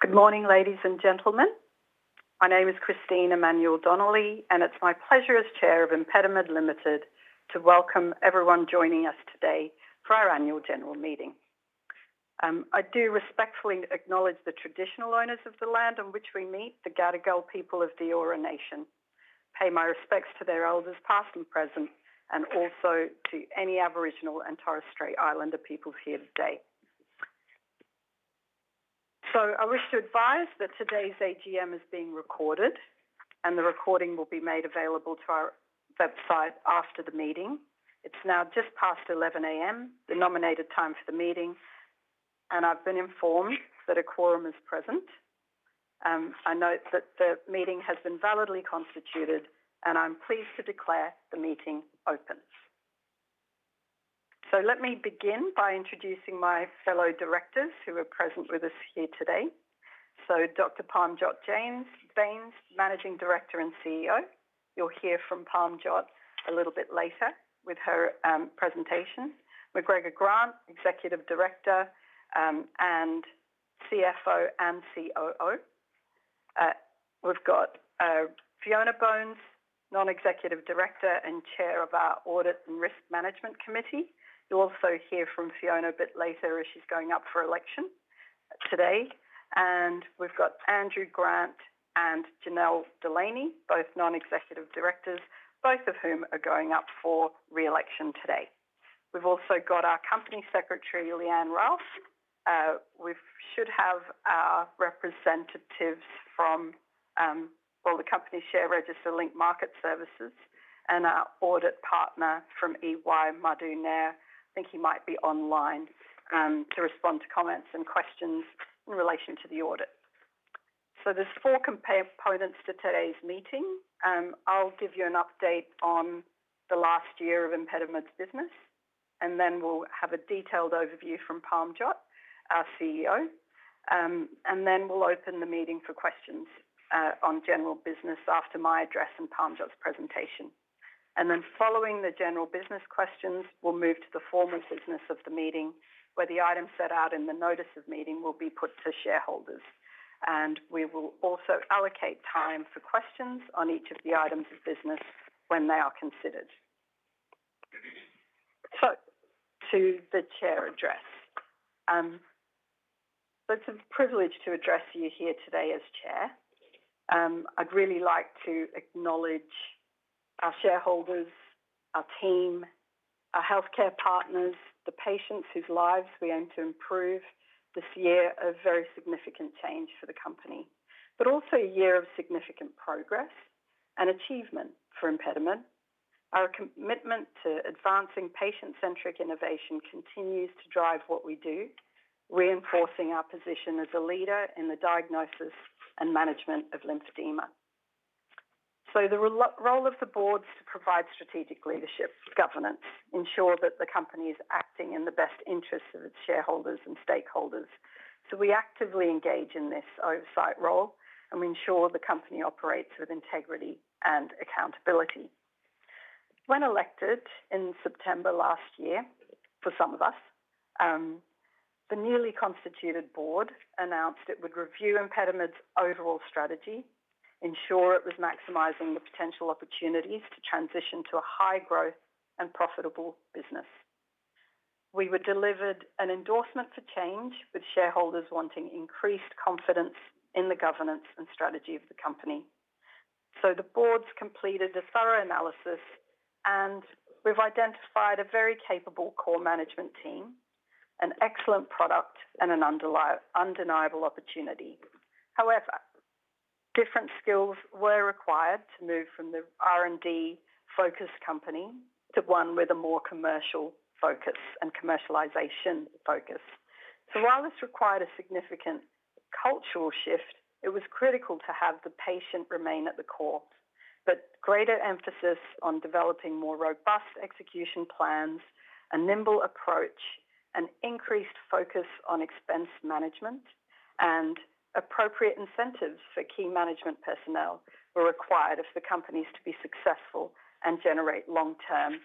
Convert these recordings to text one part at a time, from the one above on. Good morning, ladies and gentlemen. My name is Christine Emmanuel-Donnelly, and it's my pleasure as Chair of ImpediMed Limited to welcome everyone joining us today for our annual general meeting. I do respectfully acknowledge the traditional owners of the land on which we meet, the Gadigal people of the Eora Nation, pay my respects to their elders past and present, and also to any Aboriginal and Torres Strait Islander peoples here today. So I wish to advise that today's AGM is being recorded, and the recording will be made available to our website after the meeting. It's now just past 11:00 A.M., the nominated time for the meeting, and I've been informed that a quorum is present. I note that the meeting has been validly constituted, and I'm pleased to declare the meeting opens. So let me begin by introducing my fellow directors who are present with us here today. Dr. Parmjot Bains, Managing Director and CEO. You'll hear from Parmjot a little bit later with her presentation. McGregor Grant, Executive Director and CFO and COO. We've got Fiona Bones, Non-Executive Director and Chair of our Audit and Risk Management Committee. You'll also hear from Fiona a bit later as she's going up for election today. And we've got Andrew Grant and Janelle Delaney, both Non-Executive Directors, both of whom are going up for re-election today. We've also got our Company Secretary, Leanne Ralph. We should have our representatives from, well, the Company's share register Link Market Services and our Audit Partner from EY, Madhu Nair. I think he might be online to respond to comments and questions in relation to the audit. So there's four components to today's meeting. I'll give you an update on the last year of ImpediMed's business, and then we'll have a detailed overview from Parmjot, our CEO, and then we'll open the meeting for questions on general business after my address and Parmjot's presentation. Then, following the general business questions, we'll move to the formal business of the meeting where the items set out in the notice of meeting will be put to shareholders. We will also allocate time for questions on each of the items of business when they are considered. To the Chair's address. It's a privilege to address you here today as Chair. I'd really like to acknowledge our shareholders, our team, our healthcare partners, the patients whose lives we aim to improve, this year of very significant change for the company, but also a year of significant progress and achievement for ImpediMed. Our commitment to advancing patient-centric innovation continues to drive what we do, reinforcing our position as a leader in the diagnosis and management of lymphedema. So the role of the board is to provide strategic leadership, governance, ensure that the company is acting in the best interests of its shareholders and stakeholders. So we actively engage in this oversight role, and we ensure the company operates with integrity and accountability. When elected in September last year, for some of us, the newly constituted board announced it would review ImpediMed's overall strategy, ensure it was maximizing the potential opportunities to transition to a high-growth and profitable business. We were delivered an endorsement for change, with shareholders wanting increased confidence in the governance and strategy of the company. So the board's completed a thorough analysis, and we've identified a very capable core management team, an excellent product, and an undeniable opportunity. However, different skills were required to move from the R&D-focused company to one with a more commercial focus and commercialization focus. So while this required a significant cultural shift, it was critical to have the patient remain at the core. But greater emphasis on developing more robust execution plans, a nimble approach, an increased focus on expense management, and appropriate incentives for key management personnel were required of the companies to be successful and generate long-term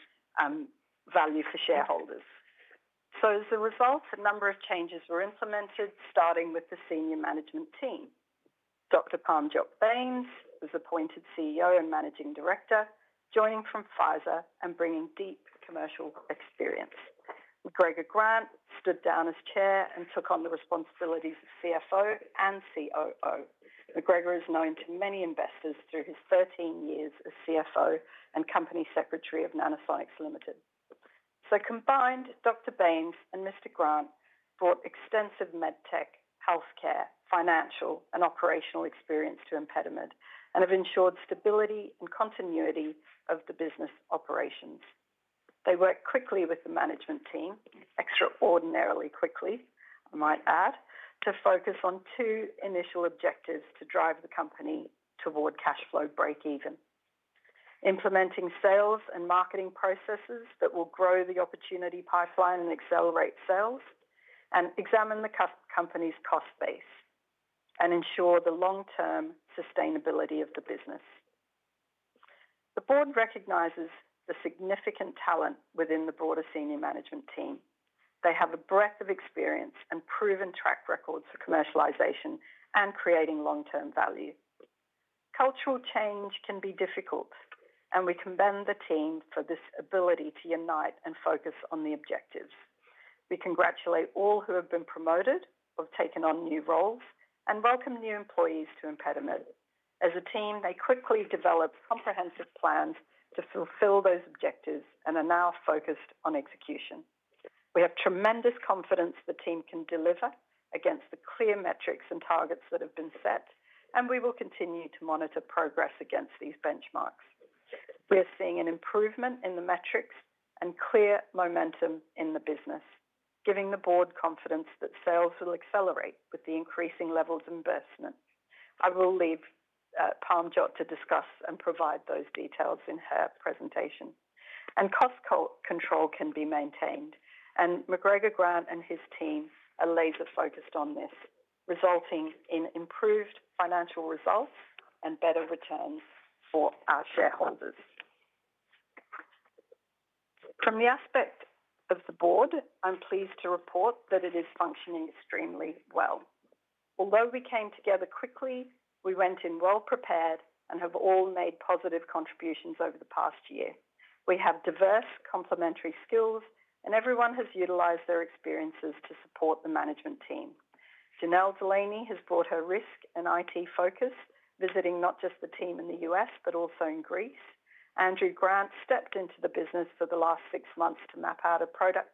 value for shareholders. So as a result, a number of changes were implemented, starting with the senior management team. Dr. Parmjot Bains was appointed CEO and Managing Director, joining from Pfizer and bringing deep commercial experience. McGregor Grant stood down as Chair and took on the responsibilities of CFO and COO. McGregor is known to many investors through his 13 years as CFO and Company Secretary of Nanosonics Limited. So combined, Dr. Bains and Mr. Grant brought extensive med tech, healthcare, financial, and operational experience to ImpediMed and have ensured stability and continuity of the business operations. They worked quickly with the management team, extraordinarily quickly, I might add, to focus on two initial objectives to drive the company toward cash flow break-even: implementing sales and marketing processes that will grow the opportunity pipeline and accelerate sales, and examine the company's cost base and ensure the long-term sustainability of the business. The board recognizes the significant talent within the broader senior management team. They have a breadth of experience and proven track records for commercialization and creating long-term value. Cultural change can be difficult, and we commend the team for this ability to unite and focus on the objectives. We congratulate all who have been promoted or taken on new roles and welcome new employees to ImpediMed. As a team, they quickly develop comprehensive plans to fulfill those objectives and are now focused on execution. We have tremendous confidence the team can deliver against the clear metrics and targets that have been set, and we will continue to monitor progress against these benchmarks. We are seeing an improvement in the metrics and clear momentum in the business, giving the board confidence that sales will accelerate with the increasing levels of investment. I will leave Parmjot to discuss and provide those details in her presentation, and cost control can be maintained, and McGregor Grant and his team are laser-focused on this, resulting in improved financial results and better returns for our shareholders. From the aspect of the board, I'm pleased to report that it is functioning extremely well. Although we came together quickly, we went in well-prepared and have all made positive contributions over the past year. We have diverse complementary skills, and everyone has utilized their experiences to support the management team. Janelle Delaney has brought her risk and IT focus, visiting not just the team in the U.S., but also in Greece. Andrew Grant stepped into the business for the last six months to map out a product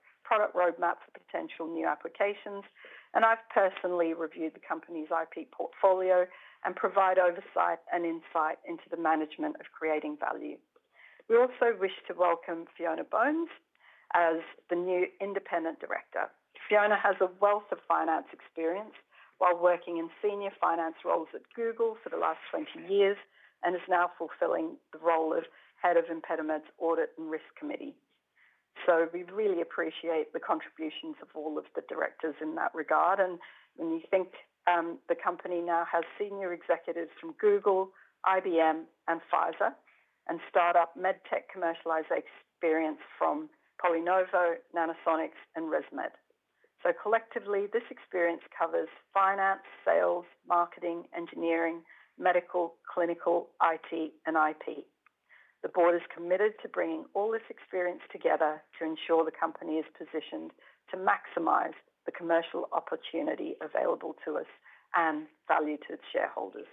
roadmap for potential new applications, and I've personally reviewed the company's IP portfolio and provide oversight and insight into the management of creating value. We also wish to welcome Fiona Bones as the new Independent Director. Fiona has a wealth of finance experience while working in senior finance roles at Google for the last 20 years and is now fulfilling the role of Head of ImpediMed's Audit and Risk Committee. So we really appreciate the contributions of all of the directors in that regard. and when you think the company now has senior executives from Google, IBM, and Pfizer, and startup med tech commercialized experience from PolyNovo, Nanosonics, and ResMed. so collectively, this experience covers finance, sales, marketing, engineering, medical, clinical, IT, and IP. The board is committed to bringing all this experience together to ensure the company is positioned to maximize the commercial opportunity available to us and value to its shareholders.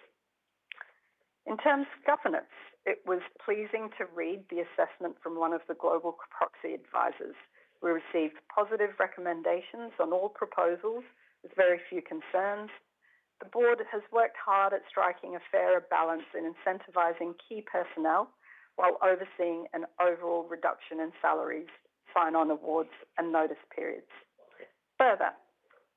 In terms of governance, it was pleasing to read the assessment from one of the global proxy advisors. We received positive recommendations on all proposals with very few concerns. The board has worked hard at striking a fairer balance in incentivizing key personnel while overseeing an overall reduction in salaries, sign-on awards, and notice periods. Further,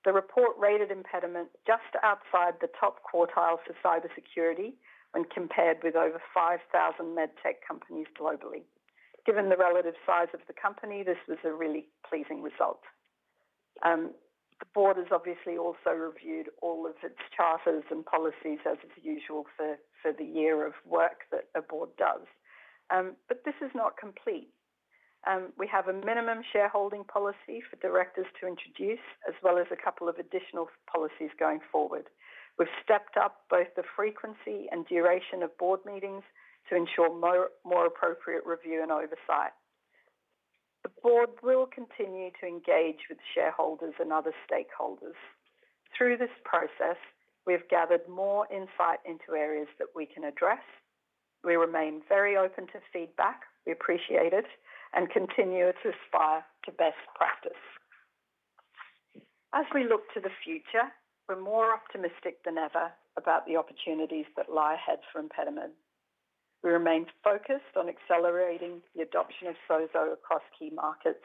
the report rated ImpediMed just outside the top quartile for cybersecurity when compared with over 5,000 med tech companies globally. Given the relative size of the company, this was a really pleasing result. The board has obviously also reviewed all of its charters and policies, as is usual for the year of work that a board does. But this is not complete. We have a minimum shareholding policy for directors to introduce, as well as a couple of additional policies going forward. We've stepped up both the frequency and duration of board meetings to ensure more appropriate review and oversight. The board will continue to engage with shareholders and other stakeholders. Through this process, we have gathered more insight into areas that we can address. We remain very open to feedback. We appreciate it and continue to aspire to best practice. As we look to the future, we're more optimistic than ever about the opportunities that lie ahead for ImpediMed. We remain focused on accelerating the adoption of SOZO across key markets,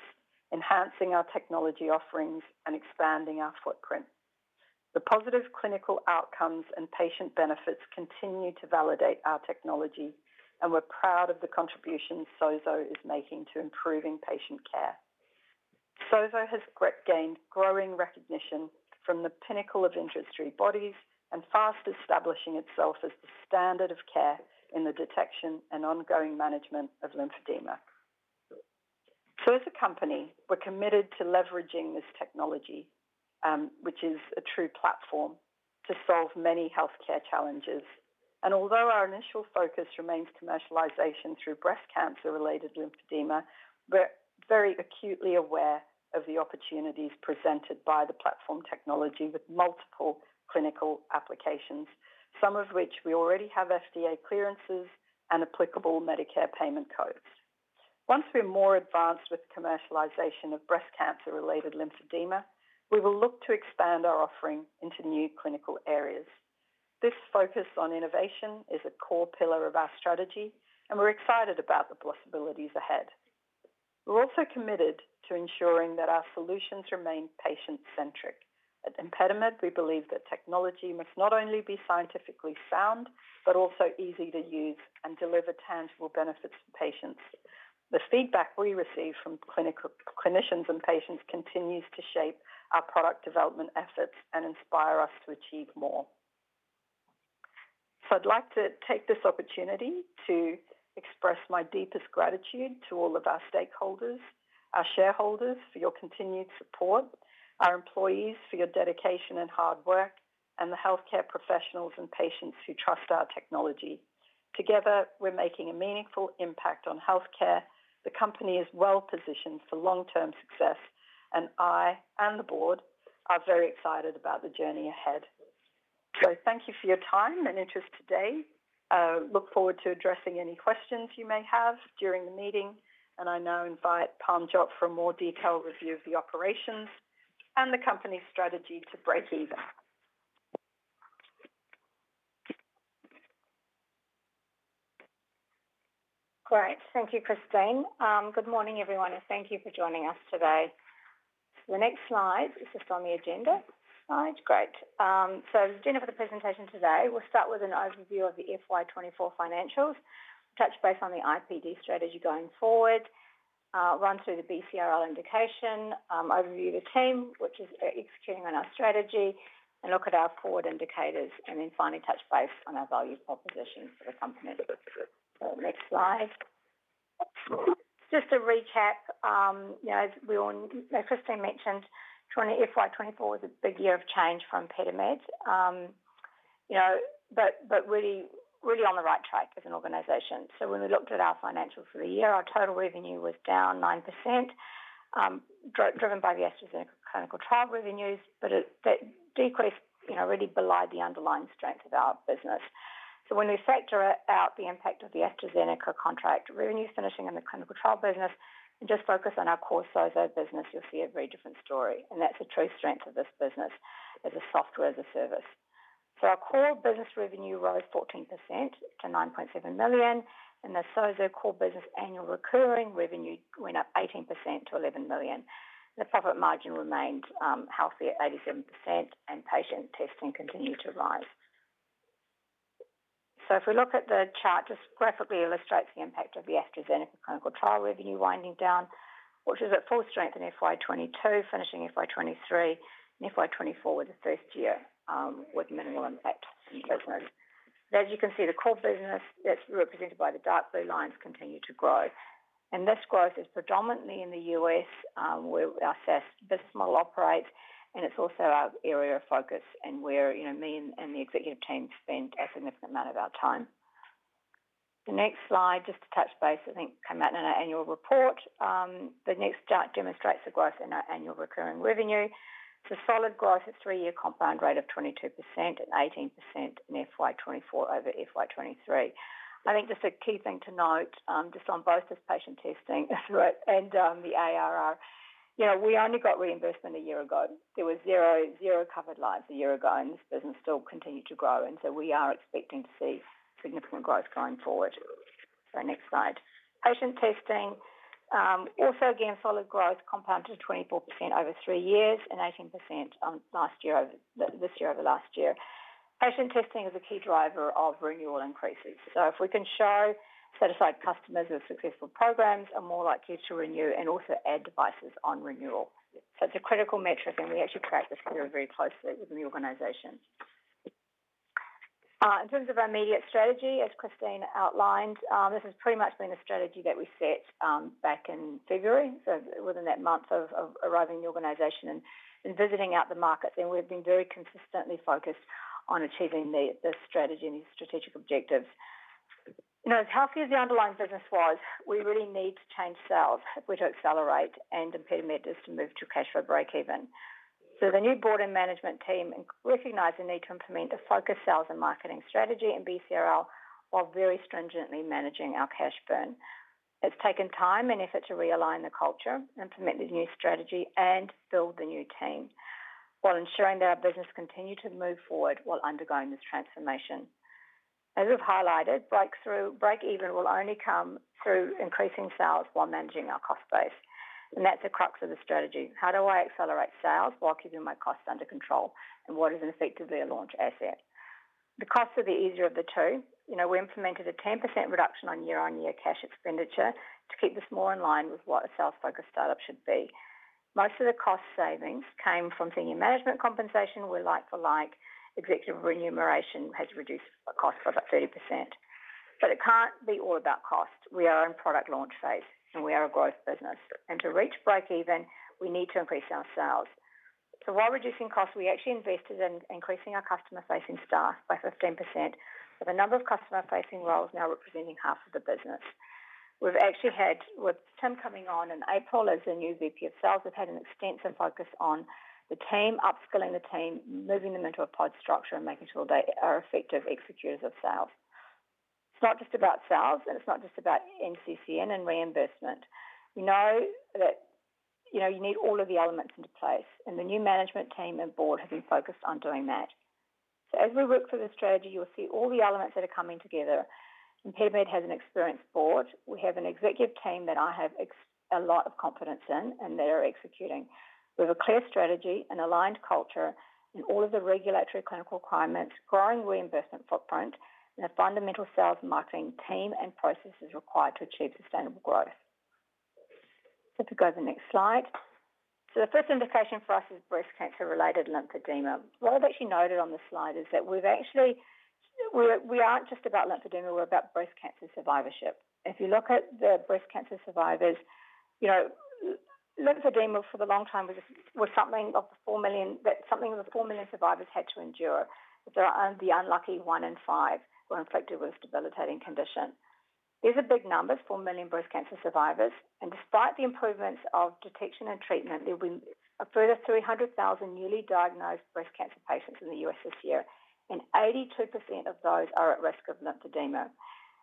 enhancing our technology offerings, and expanding our footprint. The positive clinical outcomes and patient benefits continue to validate our technology, and we're proud of the contributions SOZO is making to improving patient care. SOZO has gained growing recognition from the pinnacle of industry bodies and fast establishing itself as the standard of care in the detection and ongoing management of lymphedema. So as a company, we're committed to leveraging this technology, which is a true platform, to solve many healthcare challenges. And although our initial focus remains commercialization through breast cancer-related lymphedema, we're very acutely aware of the opportunities presented by the platform technology with multiple clinical applications, some of which we already have FDA clearances and applicable Medicare payment codes. Once we're more advanced with commercialization of breast cancer-related lymphedema, we will look to expand our offering into new clinical areas. This focus on innovation is a core pillar of our strategy, and we're excited about the possibilities ahead. We're also committed to ensuring that our solutions remain patient-centric. At ImpediMed, we believe that technology must not only be scientifically sound, but also easy to use and deliver tangible benefits for patients. The feedback we receive from clinicians and patients continues to shape our product development efforts and inspire us to achieve more. So I'd like to take this opportunity to express my deepest gratitude to all of our stakeholders, our shareholders for your continued support, our employees for your dedication and hard work, and the healthcare professionals and patients who trust our technology. Together, we're making a meaningful impact on healthcare. The company is well-positioned for long-term success, and I and the board are very excited about the journey ahead. So thank you for your time and interest today. I look forward to addressing any questions you may have during the meeting, and I now invite Parmjot for a more detailed review of the operations and the company's strategy to break-even. Great. Thank you, Christine. Good morning, everyone, and thank you for joining us today. The next slide is just on the agenda. Great, so the agenda for the presentation today, we'll start with an overview of the FY 2024 financials. Touch base on the ImpediMed strategy going forward, run through the BCRL indication, overview the team, which is executing on our strategy, and look at our forward indicators, and then finally touch base on our value propositions for the company. So, next slide. Just to recap, as Christine mentioned, FY 2024 was a big year of change for ImpediMed, but really on the right track as an organization. So when we looked at our financials for the year, our total revenue was down 9%, driven by the AstraZeneca clinical trial revenues, but that decrease really belied the underlying strength of our business. When we factor out the impact of the AstraZeneca contract revenues finishing in the clinical trial business and just focus on our core SOZO business, you'll see a very different story. And that's the true strength of this business as a software as a service. Our core business revenue rose 14% to 9.7 million, and the SOZO core business annual recurring revenue went up 18% to 11 million. The profit margin remained healthy at 87%, and patient testing continued to rise. If we look at the chart, it just graphically illustrates the impact of the AstraZeneca clinical trial revenue winding down, which is at full strength in FY 2022, finishing FY 2023, and FY 2024 was the first year with minimal impact. As you can see, the core business, as represented by the dark blue lines, continued to grow. This growth is predominantly in the U.S., where our business model operates, and it's also our area of focus and where me and the executive team spend a significant amount of our time. The next slide, just to touch base, I think came out in our annual report. The next chart demonstrates the growth in our annual recurring revenue. It's a solid growth at three-year compound rate of 22% and 18% in FY 2024 over FY 2023. I think just a key thing to note, just on both this patient testing and the ARR, we only got reimbursement a year ago. There were zero covered lives a year ago, and this business still continued to grow. And so we are expecting to see significant growth going forward. So next slide. Patient testing, also again, solid growth, compounded to 24% over three years and 18% last year over this year over last year. Patient testing is a key driver of renewal increases. So if we can show satisfied customers with successful programs, they are more likely to renew and also add devices on renewal. So it's a critical metric, and we actually track this very, very closely within the organization. In terms of our immediate strategy, as Christine outlined, this has pretty much been a strategy that we set back in February, so within that month of arriving in the organization and visiting our markets. And we've been very consistently focused on achieving this strategy and these strategic objectives. As healthy as the underlying business was, we really need to change sales if we're to accelerate, and ImpediMed is to move to cash flow break-even. So the new board and management team recognize the need to implement a focused sales and marketing strategy in BCRL while very stringently managing our cash burn. It's taken time and effort to realign the culture, implement the new strategy, and build the new team while ensuring that our business continues to move forward while undergoing this transformation. As I've highlighted, break-even will only come through increasing sales while managing our cost base. And that's the crux of the strategy. How do I accelerate sales while keeping my costs under control? And what is effectively a launch asset? The costs are the easier of the two. We implemented a 10% reduction on year-on-year cash expenditure to keep this more in line with what a sales-focused startup should be. Most of the cost savings came from senior management compensation, where like-for-like executive remuneration has reduced costs by about 30%. But it can't be all about cost. We are in product launch phase, and we are a growth business. And to reach break-even, we need to increase our sales. So while reducing costs, we actually invested in increasing our customer-facing staff by 15%, with a number of customer-facing roles now representing half of the business. We've actually had, with Tim coming on in April as the new VP of Sales, we've had an extensive focus on the team, upskilling the team, moving them into a pod structure, and making sure they are effective executors of sales. It's not just about sales, and it's not just about NCCN and reimbursement. We know that you need all of the elements into place, and the new management team and board have been focused on doing that. So as we work through the strategy, you'll see all the elements that are coming together. ImpediMed has an experienced board. We have an executive team that I have a lot of confidence in and that are executing. We have a clear strategy, an aligned culture, and all of the regulatory clinical requirements, growing reimbursement footprint, and a fundamental sales marketing team and processes required to achieve sustainable growth. So if we go to the next slide, so the first indication for us is breast cancer-related lymphedema. What I've actually noted on this slide is that we aren't just about lymphedema. We're about breast cancer survivorship. If you look at the breast cancer survivors, lymphedema for a long time was something that one in five of the 4 million survivors had to endure. The unlucky one in five were infected with a debilitating condition. These are big numbers, 4 million breast cancer survivors. And despite the improvements of detection and treatment, there will be a further 300,000 newly diagnosed breast cancer patients in the U.S. this year, and 82% of those are at risk of lymphedema.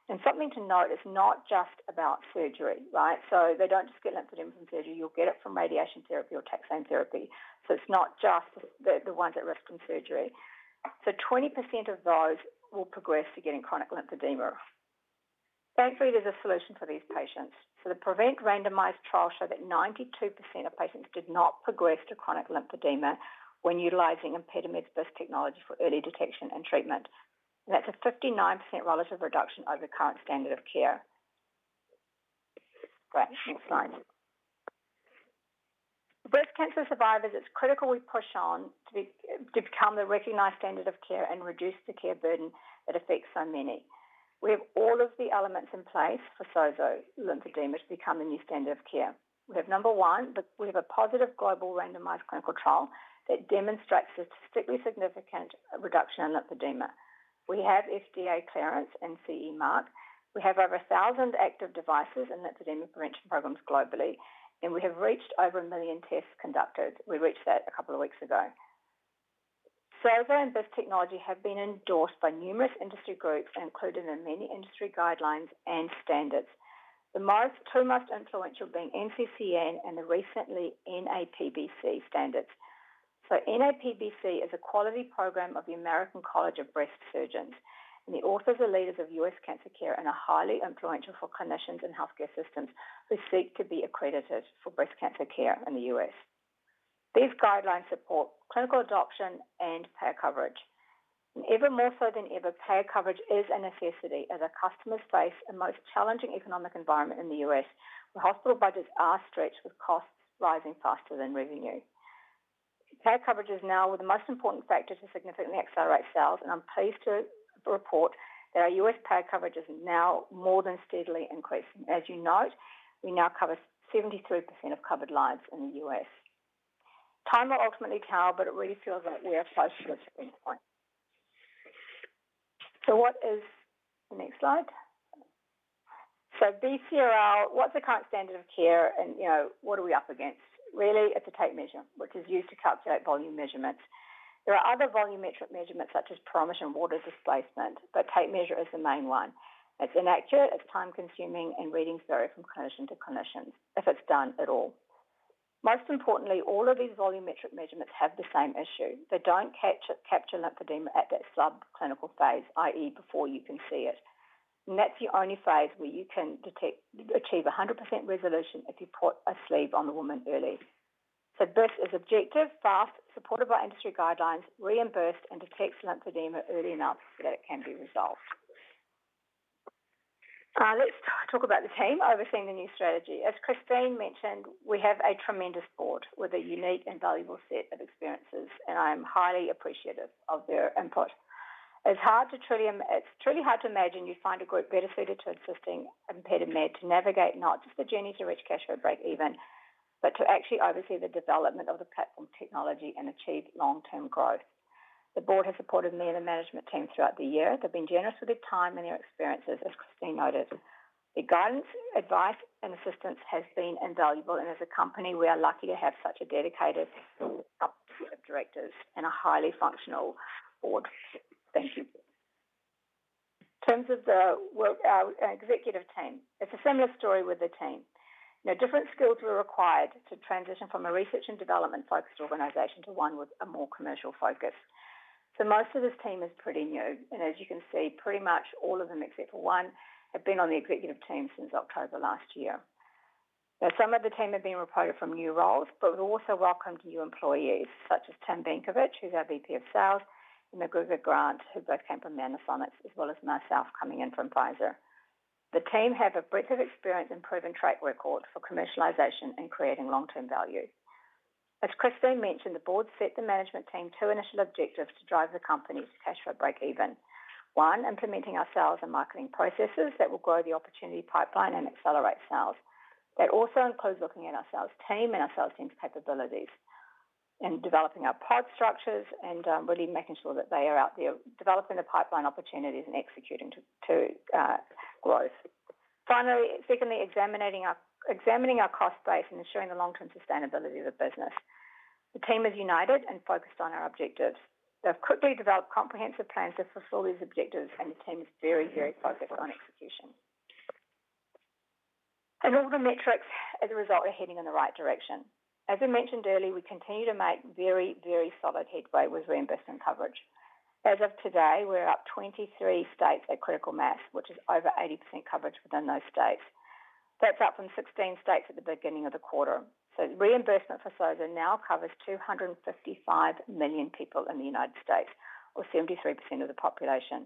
And something to note is not just about surgery, right? So they don't just get lymphedema from surgery. You'll get it from radiation therapy or taxane therapy. So it's not just the ones at risk from surgery. So 20% of those will progress to getting chronic lymphedema. Thankfully, there's a solution for these patients. So the PREVENT randomized trial showed that 92% of patients did not progress to chronic lymphedema when utilizing ImpediMed's BIS technology for early detection and treatment. And that's a 59% relative reduction over current standard of care. Great. Next slide. Breast cancer survivors, it's critical we push on to become the recognized standard of care and reduce the care burden that affects so many. We have all of the elements in place for SOZO lymphedema to become the new standard of care. We have number one, we have a positive global randomized clinical trial that demonstrates a statistically significant reduction in lymphedema. We have FDA clearance and CE mark. We have over 1,000 active devices in lymphedema prevention programs globally, and we have reached over a million tests conducted. We reached that a couple of weeks ago. SOZO and BIS technology have been endorsed by numerous industry groups, included in many industry guidelines and standards. The two most influential being NCCN and the recently NAPBC standards. NAPBC is a quality program of the American College of Surgeons, and the authors are leaders of U.S. cancer care and are highly influential for clinicians and healthcare systems who seek to be accredited for breast cancer care in the U.S. These guidelines support clinical adoption and payer coverage. Ever more so than ever, payer coverage is a necessity in the customer space, a most challenging economic environment in the U.S., where hospital budgets are stretched with costs rising faster than revenue. Payer coverage is now the most important factor to significantly accelerate sales, and I'm pleased to report that our U.S. payer coverage is now more than steadily increasing. As you note, we now cover 73% of covered lives in the U.S. Time will ultimately tell, but it really feels like we're close to a turning point. What is the next slide? So BCRL, what's the current standard of care and what are we up against? Really, it's a tape measure, which is used to calculate volume measurements. There are other volumetric measurements such as perometers and water displacement, but tape measure is the main one. It's inaccurate. It's time-consuming, and readings vary from clinician to clinician, if it's done at all. Most importantly, all of these volumetric measurements have the same issue. They don't capture lymphedema at that subclinical phase, i.e., before you can see it. And that's the only phase where you can achieve 100% resolution if you put a sleeve on the woman early. So BIS is objective, fast, supported by industry guidelines, reimbursed, and detects lymphedema early enough so that it can be resolved. Let's talk about the team overseeing the new strategy. As Christine mentioned, we have a tremendous board with a unique and valuable set of experiences, and I am highly appreciative of their input. It's hard to truly imagine you find a group better suited to assisting ImpediMed to navigate not just the journey to reach cash flow break-even, but to actually oversee the development of the platform technology and achieve long-term growth. The board has supported me and the management team throughout the year. They've been generous with their time and their experiences, as Christine noted. Their guidance, advice, and assistance has been invaluable, and as a company, we are lucky to have such a dedicated group of directors and a highly functional board. Thank you. In terms of the executive team, it's a similar story with the team. Different skills were required to transition from a research and development-focused organization to one with a more commercial focus. Most of this team is pretty new. And as you can see, pretty much all of them, except for one, have been on the executive team since October last year. Now, some of the team have been reported from new roles, but we also welcomed new employees, such as Tim Benkovich, who's our VP of Sales, and McGregor Grant, who both came from Nanosonics, as well as myself coming in from Pfizer. The team have a breadth of experience and proven track record for commercialization and creating long-term value. As Christine mentioned, the board set the management team two initial objectives to drive the company to cash flow break-even. One, implementing our sales and marketing processes that will grow the opportunity pipeline and accelerate sales. That also includes looking at our sales team and our sales team's capabilities and developing our pod structures and really making sure that they are out there, developing the pipeline opportunities and executing to growth. Finally, secondly, examining our cost base and ensuring the long-term sustainability of the business. The team is united and focused on our objectives. They've quickly developed comprehensive plans to fulfill these objectives, and the team is very, very focused on execution. And all the metrics, as a result, are heading in the right direction. As we mentioned earlier, we continue to make very, very solid headway with reimbursement coverage. As of today, we're up 23 states at critical mass, which is over 80% coverage within those states. That's up from 16 states at the beginning of the quarter. Reimbursement for SOZO now covers 255 million people in the United States, or 73% of the population.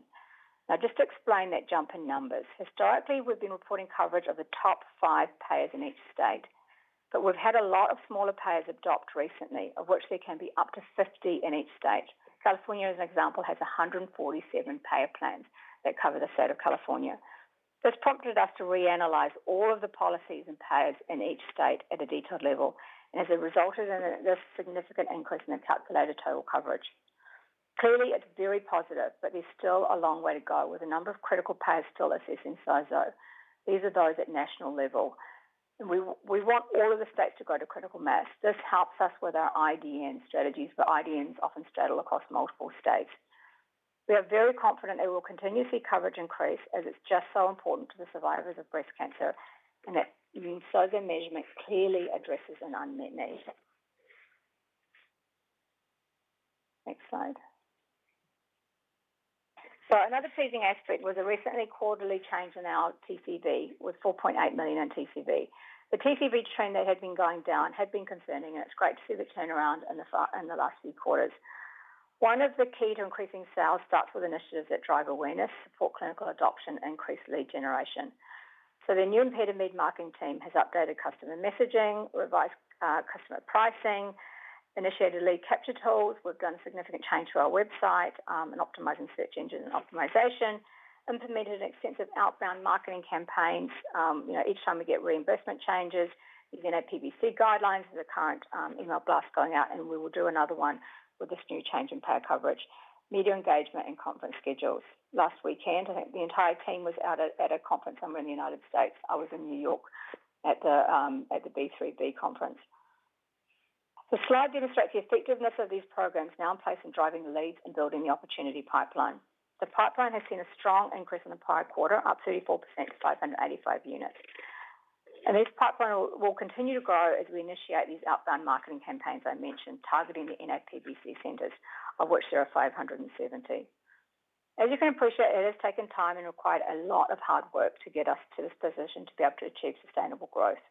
Now, just to explain that jump in numbers, historically, we've been reporting coverage of the top five payers in each state, but we've had a lot of smaller payers adopt recently, of which there can be up to 50 in each state. California, as an example, has 147 payer plans that cover the state of California. This prompted us to reanalyze all of the policies and payers in each state at a detailed level, and as a result, there's a significant increase in the calculated total coverage. Clearly, it's very positive, but there's still a long way to go with a number of critical payers still assisting SOZO. These are those at national level. We want all of the states to go to critical mass. This helps us with our IDN strategies, but IDNs often straddle across multiple states. We are very confident that we will continuously see coverage increase as it's just so important to the survivors of breast cancer and that using SOZO measurements clearly addresses an unmet need. Next slide. So another teasing aspect was a recent quarterly change in our TCV with 4.8 million in TCV. The TCV trend that had been going down had been concerning, and it's great to see the turnaround in the last few quarters. One of the keys to increasing sales starts with initiatives that drive awareness, support clinical adoption, and increase lead generation. So the new ImpediMed marketing team has updated customer messaging, revised customer pricing, initiated lead capture tools. We've done a significant change to our website and optimized the search engine optimization, implemented extensive outbound marketing campaigns. Each time we get reimbursement changes, there's NAPBC guidelines. There's a current email blast going out, and we will do another one with this new change in payer coverage, media engagement, and conference schedules. Last weekend, I think the entire team was out at a conference somewhere in the United States. I was in New York at the B3 conference. The slide demonstrates the effectiveness of these programs now in place in driving the leads and building the opportunity pipeline. The pipeline has seen a strong increase in the prior quarter, up 34% to 585 units. And this pipeline will continue to grow as we initiate these outbound marketing campaigns I mentioned, targeting the NAPBC centers, of which there are 570. As you can appreciate, it has taken time and required a lot of hard work to get us to this position to be able to achieve sustainable growth.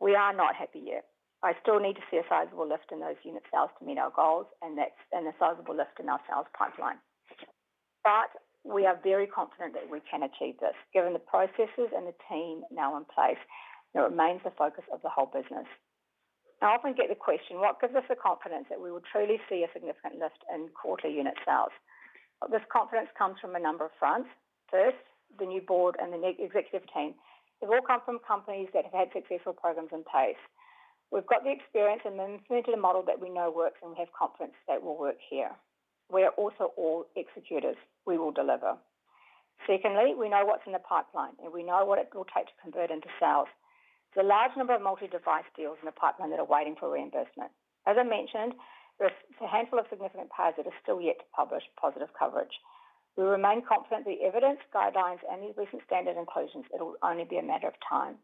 We are not happy yet. I still need to see a sizable lift in those unit sales to meet our goals and a sizable lift in our sales pipeline. But we are very confident that we can achieve this. Given the processes and the team now in place, it remains the focus of the whole business. I often get the question, what gives us the confidence that we will truly see a significant lift in quarterly unit sales? This confidence comes from a number of fronts. First, the new board and the executive team have all come from companies that have had successful programs in place. We've got the experience and implemented a model that we know works, and we have confidence that will work here. We are also all executors. We will deliver. Secondly, we know what's in the pipeline, and we know what it will take to convert into sales. There's a large number of multi-device deals in the pipeline that are waiting for reimbursement. As I mentioned, there's a handful of significant payers that are still yet to publish positive coverage. We remain confident the evidence, guidelines, and these recent standard inclusions; it'll only be a matter of time,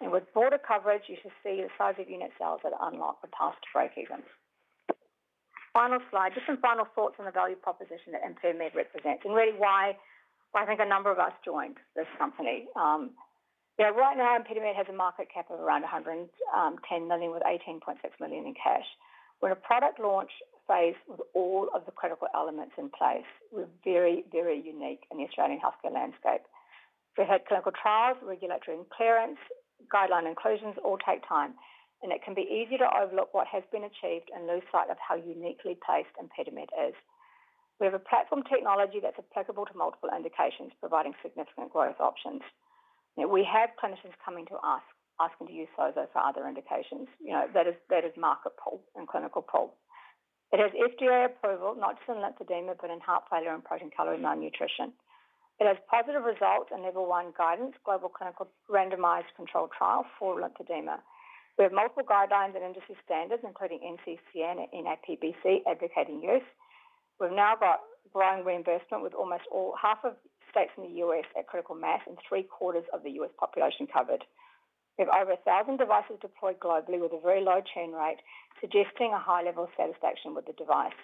and with broader coverage, you should see the size of unit sales that are unlocked for past break-even. Final slide. Just some final thoughts on the value proposition that ImpediMed represents and really why I think a number of us joined this company. Right now, ImpediMed has a market cap of around 110 million with 18.6 million in cash. We're in a product launch phase with all of the critical elements in place. We're very, very unique in the Australian healthcare landscape. We've had clinical trials, regulatory clearance, guideline inclusions, all take time. And it can be easy to overlook what has been achieved and lose sight of how uniquely placed ImpediMed is. We have a platform technology that's applicable to multiple indications, providing significant growth options. We have clinicians coming to us asking to use SOZO for other indications. That is market pull and clinical pull. It has FDA approval, not just in lymphedema, but in heart failure and protein-calorie malnutrition. It has positive results in level one guidance, global clinical randomized controlled trial for lymphedema. We have multiple guidelines and industry standards, including NCCN and NAPBC advocating use. We've now got growing reimbursement with almost half of states in the U.S. at critical mass and three-quarters of the U.S. population covered. We have over 1,000 devices deployed globally with a very low churn rate, suggesting a high level of satisfaction with the device.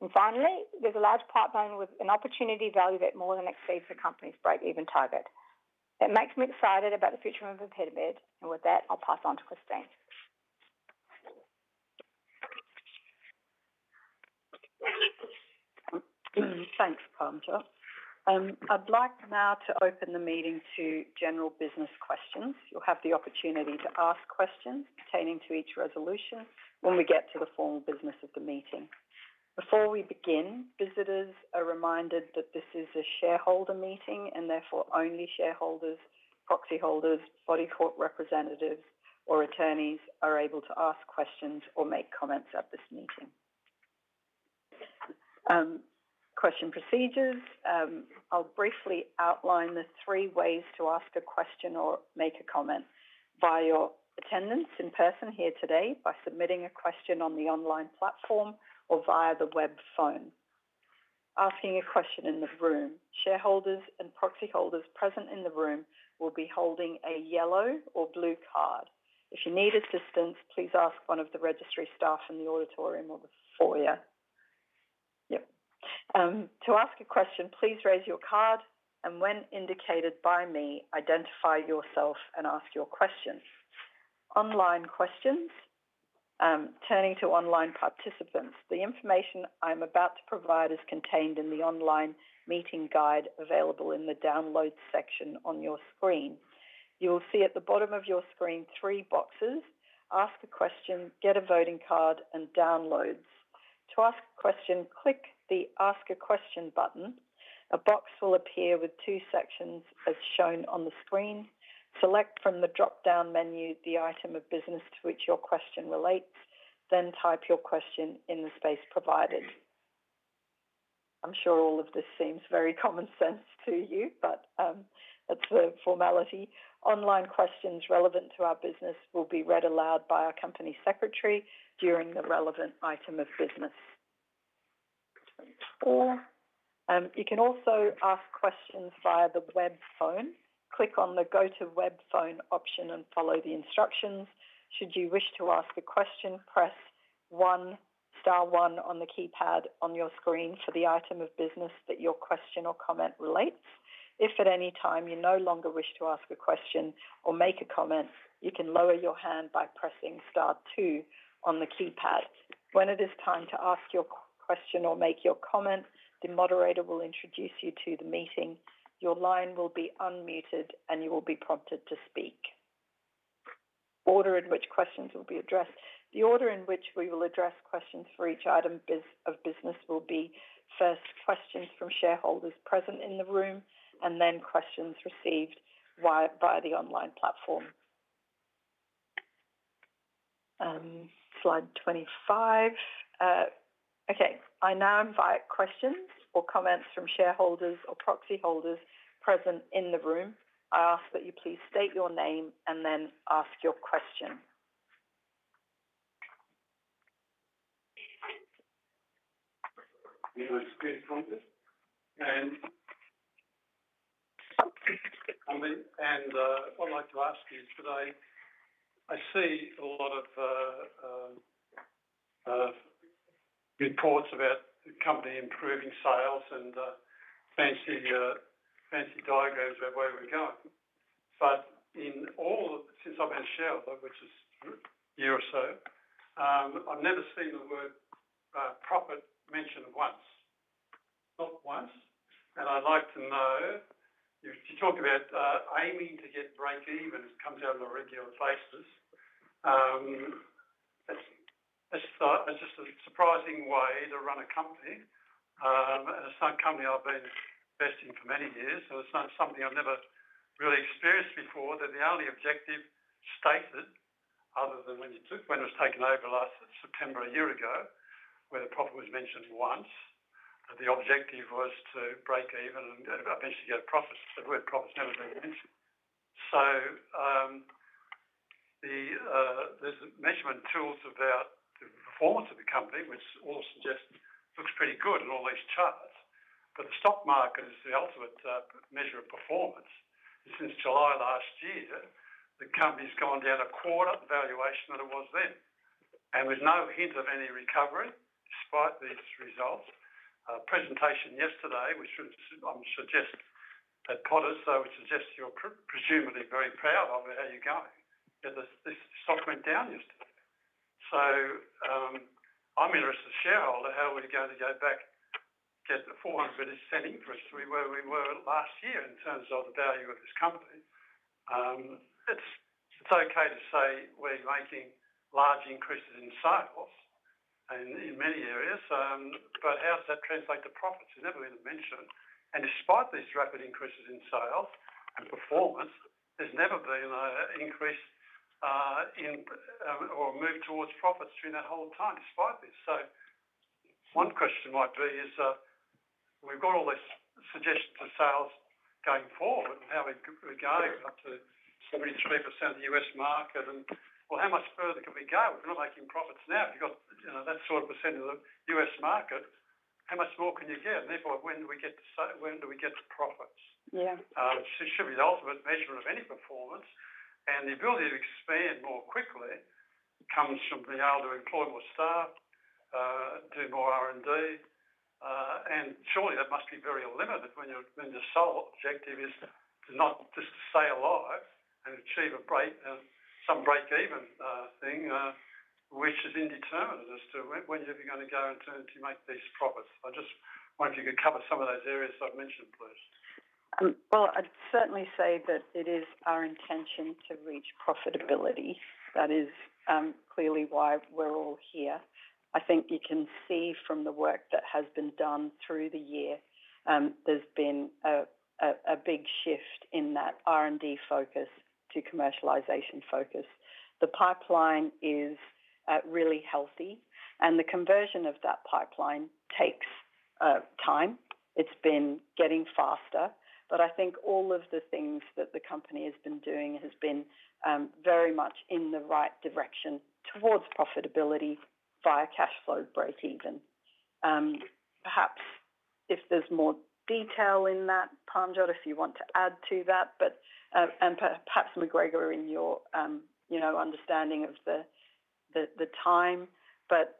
And finally, there's a large pipeline with an opportunity value that more than exceeds the company's break-even target. That makes me excited about the future of ImpediMed. And with that, I'll pass on to Christine. Thanks, Parmjot. I'd like now to open the meeting to general business questions. You'll have the opportunity to ask questions pertaining to each resolution when we get to the formal business of the meeting. Before we begin, visitors are reminded that this is a shareholder meeting and therefore only shareholders, proxy holders, body corporate representatives, or attorneys are able to ask questions or make comments at this meeting. Question procedures. I'll briefly outline the three ways to ask a question or make a comment via your attendance in person here today, by submitting a question on the online platform or via the web phone. Asking a question in the room. Shareholders and proxy holders present in the room will be holding a yellow or blue card. If you need assistance, please ask one of the registry staff in the auditorium or the foyer. To ask a question, please raise your card and when indicated by me, identify yourself and ask your question. Online questions. Turning to online participants. The information I'm about to provide is contained in the online meeting guide available in the download section on your screen. You will see at the bottom of your screen three boxes. Ask a question, get a voting card, and downloads. To ask a question, click the Ask a Question button. A box will appear with two sections as shown on the screen. Select from the drop-down menu the item of business to which your question relates, then type your question in the space provided. I'm sure all of this seems very common sense to you, but that's the formality. Online questions relevant to our business will be read aloud by our company secretary during the relevant item of business. You can also ask questions via the web phone. Click on the Go to Web Phone option and follow the instructions. Should you wish to ask a question, press 1, star 1 on the keypad on your screen for the item of business that your question or comment relates. If at any time you no longer wish to ask a question or make a comment, you can lower your hand by pressing star 2 on the keypad. When it is time to ask your question or make your comment, the moderator will introduce you to the meeting. Your line will be unmuted, and you will be prompted to speak. Order in which questions will be addressed. The order in which we will address questions for each item of business will be first questions from shareholders present in the room and then questions received via the online platform. Slide 25. Okay. I now invite questions or comments from shareholders or proxy holders present in the room. I ask that you please state your name and then ask your question. It was good, Parmjot. And what I'd like to ask is today, I see a lot of reports about the company improving sales and fancy diagrams about where we're going. But since I've been a shareholder, which is a year or so, I've never seen the word profit mentioned once. Not once. And I'd like to know, you talk about aiming to get break-even as it comes out on a regular basis. That's just a surprising way to run a company. It's not a company I've been investing for many years. It's not something I've never really experienced before. The only objective stated, other than when it was taken over last September, a year ago, where the profit was mentioned once, that the objective was to break even and eventually get a profit. The word profit's never been mentioned. So there's measurement tools about the performance of the company, which all suggest looks pretty good in all these charts. But the stock market is the ultimate measure of performance. Since July last year, the company's gone down a quarter in valuation from what it was then. There's no hint of any recovery despite these results. The presentation yesterday, which I'm sure the partners would suggest, you're presumably very proud of how you're going. This stock went down yesterday. I'm interested as a shareholder how we are going to get back to the 40-cent setting where we were last year in terms of the value of this company. It's okay to say we're making large increases in sales in many areas, but how does that translate to profits? It's never been mentioned. Despite these rapid increases in sales and performance, there's never been an increase or a move towards profits during that whole time despite this. One question might be, we've got all these suggestions of sales going forward and how we're going up to 73% of the U.S. market. Well, how much further can we go? If we're not making profits now, if you've got that sort of % of the U.S. market, how much more can you get? Therefore, when do we get to profits? It should be the ultimate measurement of any performance. The ability to expand more quickly comes from being able to employ more staff, do more R&D. Surely that must be very limited when the sole objective is not just to stay alive and achieve some break-even thing, which is indeterminate as to when you're going to go and turn to make these profits. I just wonder if you could cover some of those areas I've mentioned, please. I'd certainly say that it is our intention to reach profitability. That is clearly why we're all here. I think you can see from the work that has been done through the year, there's been a big shift in that R&D focus to commercialization focus. The pipeline is really healthy, and the conversion of that pipeline takes time. It's been getting faster. But I think all of the things that the company has been doing has been very much in the right direction towards profitability via cash flow break-even. Perhaps if there's more detail in that, Parmjot, if you want to add to that, and perhaps McGregor in your understanding of the time. But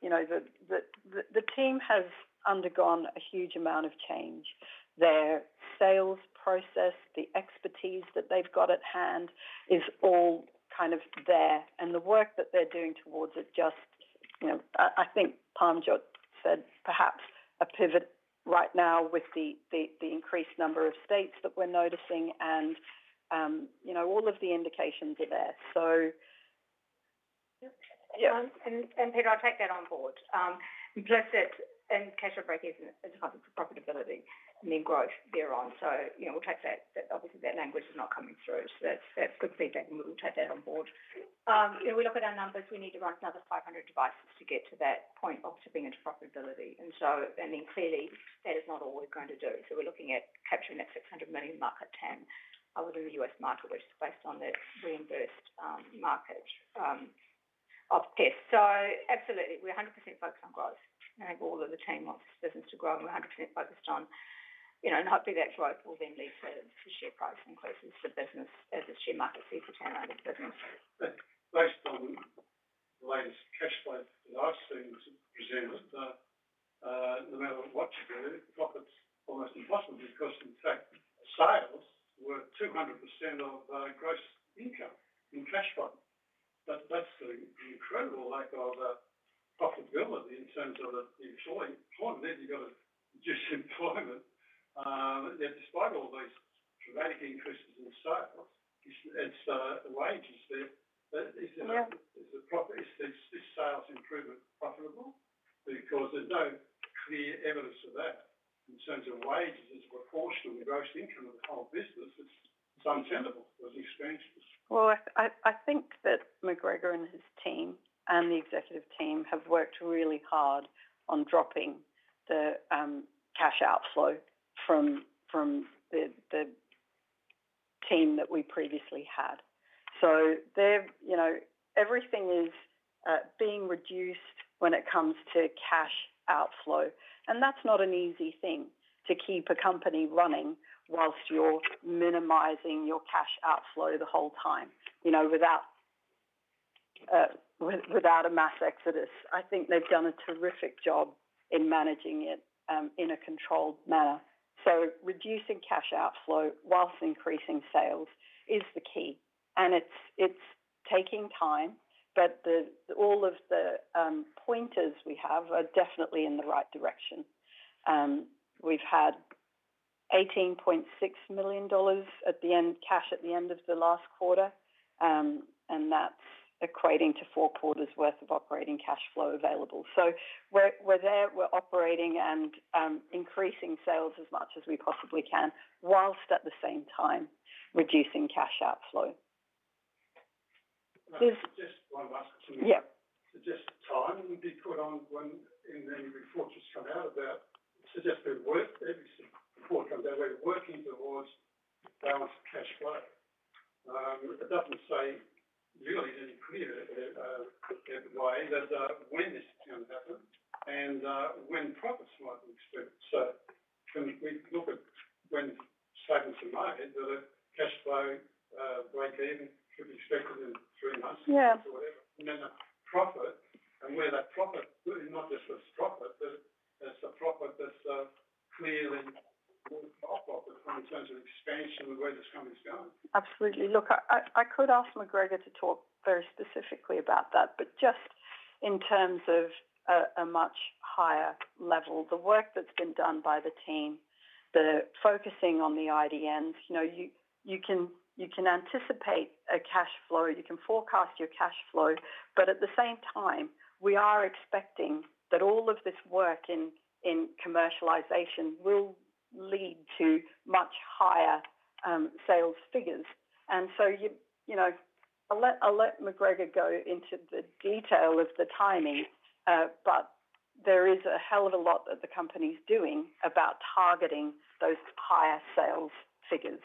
the team has undergone a huge amount of change. Their sales process, the expertise that they've got at hand is all kind of there. And the work that they're doing towards it just, I think Parmjot said, perhaps a pivot right now with the increased number of states that we're noticing, and all of the indications are there. So. Yeah. And Peter, I'll take that on board. And cash flow break-even is a type of profitability and then growth thereon. So we'll take that. Obviously, that language is not coming through. So that's good feedback, and we'll take that on board. We look at our numbers. We need to run another 500 devices to get to that point of tipping into profitability. And clearly, that is not all we're going to do. So we're looking at capturing that 600 million market TAM within the U.S. market, which is based on the reimbursed market of BIS. So absolutely, we're 100% focused on growth. I think all of the team wants this business to grow, and we're 100% focused on, and hopefully that growth will then lead to share price increases for business as the share market sees return on its business. Based on the latest cash flow that I've seen to present it, no matter what you do, profit's almost impossible because, in fact, sales were 200% of gross income in cash flow. But that's the incredible lack of profitability in terms of employment. Then you've got to reduce employment. Despite all these dramatic increases in sales, it's the wages. Is this sales improvement profitable? Because there's no clear evidence of that in terms of wages as a proportion of the gross income of the whole business. It's untenable. Those expansions. I think that McGregor and his team and the executive team have worked really hard on dropping the cash outflow from the team that we previously had. Everything is being reduced when it comes to cash outflow. That's not an easy thing to keep a company running while you're minimizing your cash outflow the whole time without a mass exodus. I think they've done a terrific job in managing it in a controlled manner. Reducing cash outflow while increasing sales is the key. It's taking time, but all of the pointers we have are definitely in the right direction. We've had 18.6 million dollars cash at the end of the last quarter, and that's equating to four quarters' worth of operating cash flow available. We're there. We're operating and increasing sales as much as we possibly can while at the same time reducing cash outflow. Just one last question. So just time would be put on when and then you've been forced to just come out of that. It suggests they've worked every single quarter on their way to working towards balanced cash flow. It doesn't say really any clear way that when this is going to happen and when profits might be expected. So can we look at when statements are made that a cash flow break-even could be expected in three months or whatever? And then the profit and where that profit is not just as profit, but as the profit that's clearly more profitable in terms of expansion and where this company's going. Absolutely. Look, I could ask McGregor to talk very specifically about that, but just in terms of a much higher level. The work that's been done by the team, the focusing on the IDNs, you can anticipate a cash flow. You can forecast your cash flow. But at the same time, we are expecting that all of this work in commercialization will lead to much higher sales figures. And so I'll let McGregor go into the detail of the timing, but there is a hell of a lot that the company's doing about targeting those higher sales figures.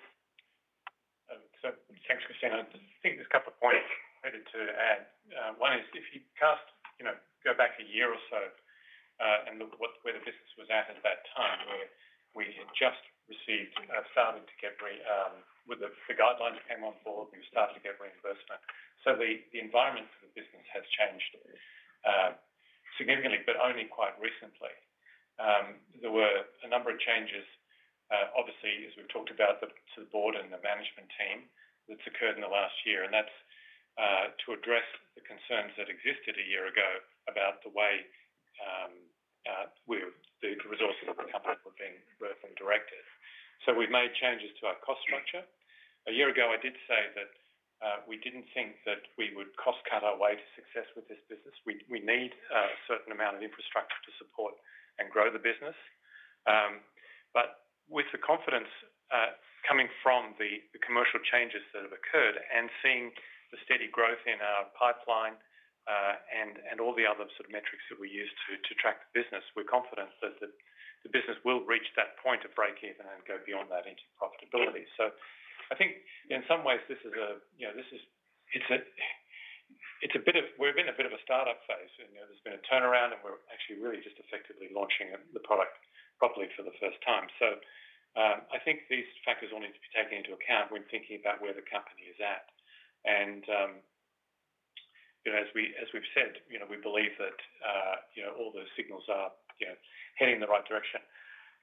Thanks, Christine. I think there's a couple of points I needed to add. One is if you go back a year or so and look at where the business was at that time, where we had just started to get with the guidelines that came on board. We started to get reimbursement. So the environment for the business has changed significantly, but only quite recently. There were a number of changes, obviously, as we've talked about to the board and the management team that's occurred in the last year. And that's to address the concerns that existed a year ago about the way the resources of the company were being directed. So we've made changes to our cost structure. A year ago, I did say that we didn't think that we would cost cut our way to success with this business. We need a certain amount of infrastructure to support and grow the business. But with the confidence coming from the commercial changes that have occurred and seeing the steady growth in our pipeline and all the other sort of metrics that we use to track the business, we're confident that the business will reach that point of break-even and go beyond that into profitability. So I think in some ways, this is a bit of we've been a bit of a startup phase. There's been a turnaround, and we're actually really just effectively launching the product properly for the first time. So I think these factors all need to be taken into account when thinking about where the company is at. And as we've said, we believe that all those signals are heading in the right direction.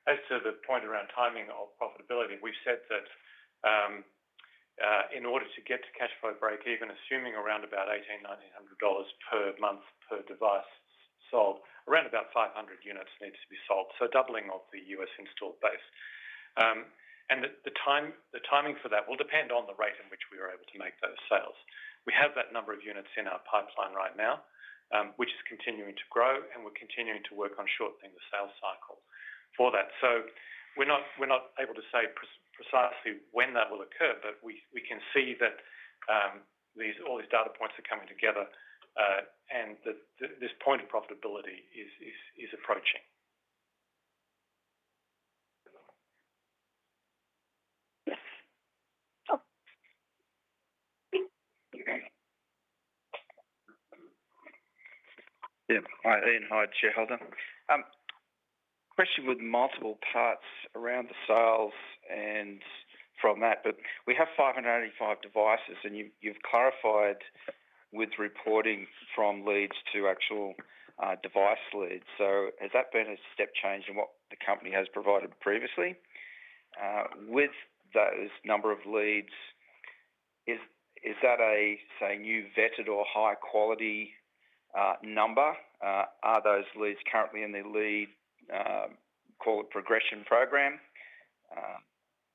As to the point around timing of profitability, we've said that in order to get to cash flow break-even, assuming around about 1,800-1,900 dollars per month per device sold, around about 500 units need to be sold, so doubling of the U.S. installed base. And the timing for that will depend on the rate in which we are able to make those sales. We have that number of units in our pipeline right now, which is continuing to grow, and we're continuing to work on shortening the sales cycle for that. So we're not able to say precisely when that will occur, but we can see that all these data points are coming together, and this point of profitability is approaching. Yes. Yeah. Hi, Ian. Hi, Chair. Hold on. Question with multiple parts around the sales and from that. But we have 585 devices, and you've clarified with reporting from leads to actual device leads. So has that been a step change in what the company has provided previously? With those number of leads, is that a, say, new vetted or high-quality number? Are those leads currently in the lead, call it, progression program?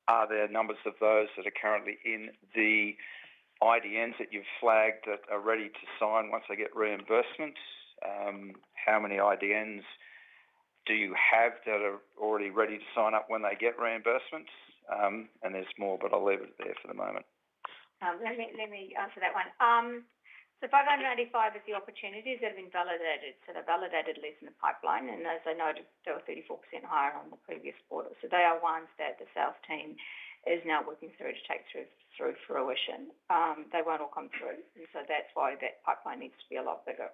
Are there numbers of those that are currently in the IDNs that you've flagged that are ready to sign once they get reimbursements? How many IDNs do you have that are already ready to sign up when they get reimbursements? And there's more, but I'll leave it there for the moment. Let me answer that one. So 585 is the opportunities that have been validated. So they're validated leads in the pipeline. And as I noted, they were 34% higher than the previous quarter. So they are ones that the sales team is now working through to take to fruition. They won't all come through. And so that's why that pipeline needs to be a lot bigger.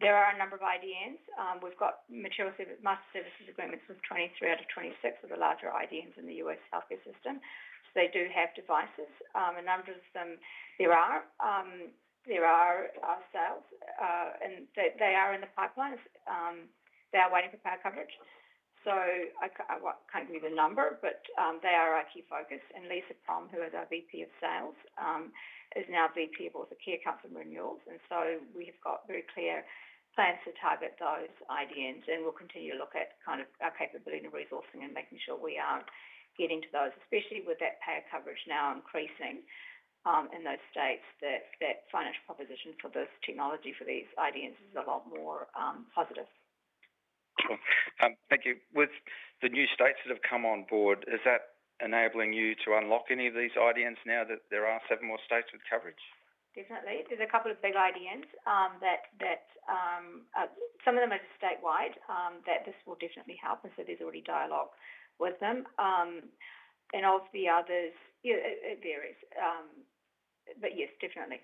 There are a number of IDNs. We've got Material Master Services Agreements with 23 out of 26 of the larger IDNs in the U.S. healthcare system. So they do have devices. A number of them, there are sales, and they are in the pipeline. They are waiting for payer coverage. So I can't give you the number, but they are our key focus. Lisa Prom, who is our VP of Sales, is now VP of Enterprise Account Renewals. So we have got very clear plans to target those IDNs. We'll continue to look at kind of our capability and resourcing and making sure we are getting to those, especially with that payer coverage now increasing in those states. That financial proposition for this technology for these IDNs is a lot more positive. Thank you. With the new states that have come on board, is that enabling you to unlock any of these IDNs now that there are seven more states with coverage? Definitely. There's a couple of big IDNs that some of them are just statewide that this will definitely help. So there's already dialogue with them. Of the others, it varies. But yes, definitely.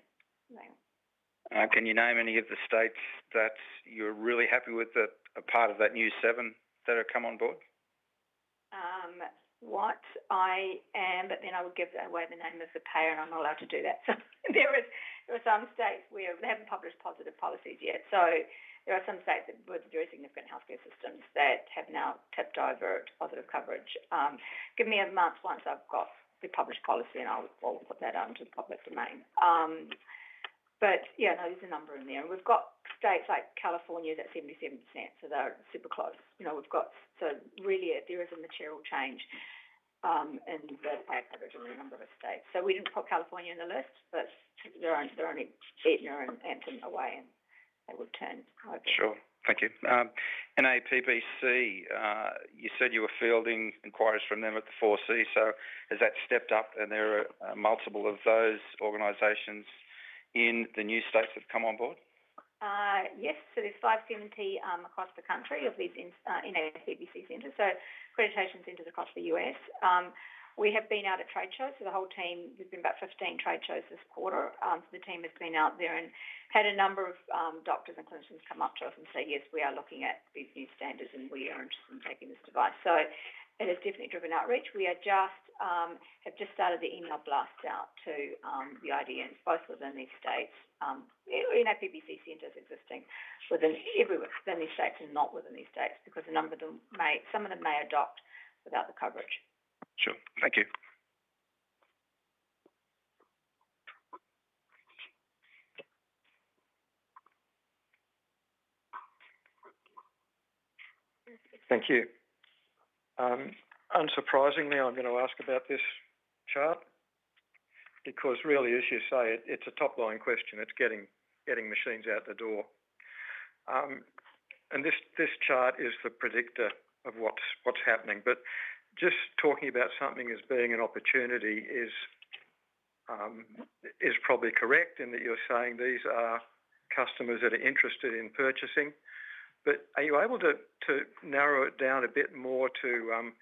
Can you name any of the states that you're really happy with that are part of that new seven that have come on board? What I am, but then I would give away the name of the payer, and I'm not allowed to do that. So there are some states where they haven't published positive policies yet. So there are some states with very significant healthcare systems that have now tipped over to positive coverage. Give me a month once I've got the published policy, and I'll put that onto the public domain. But yeah, no, there's a number in there. And we've got states like California that's 77%. So they're super close. So really, there is a material change in the payer coverage in the number of states. So we didn't put California in the list, but they're only eight or nine away, and they would turn. Sure. Thank you. And NAPBC, you said you were fielding inquiries from them at the NCCN. So has that stepped up? And there are multiple of those organizations in the United States that have come on board? Yes. So there's five centers across the country of these in NAPBC centers. So accreditation centers across the U.S. We have been out at trade shows. So the whole team, there's been about 15 trade shows this quarter. So the team has been out there and had a number of doctors and clinicians come up to us and say, "Yes, we are looking at these new standards, and we are interested in taking this device." So it has definitely driven outreach. We have just started the email blast out to the IDNs, both within these states, in NAPBC centers existing within everywhere, within these states and not within these states, because a number of them, some of them, may adopt without the coverage. Sure. Thank you. Thank you. Unsurprisingly, I'm going to ask about this chart because, really, as you say, it's a top-line question. It's getting machines out the door. And this chart is the predictor of what's happening. But just talking about something as being an opportunity is probably correct in that you're saying these are customers that are interested in purchasing. But are you able to narrow it down a bit more to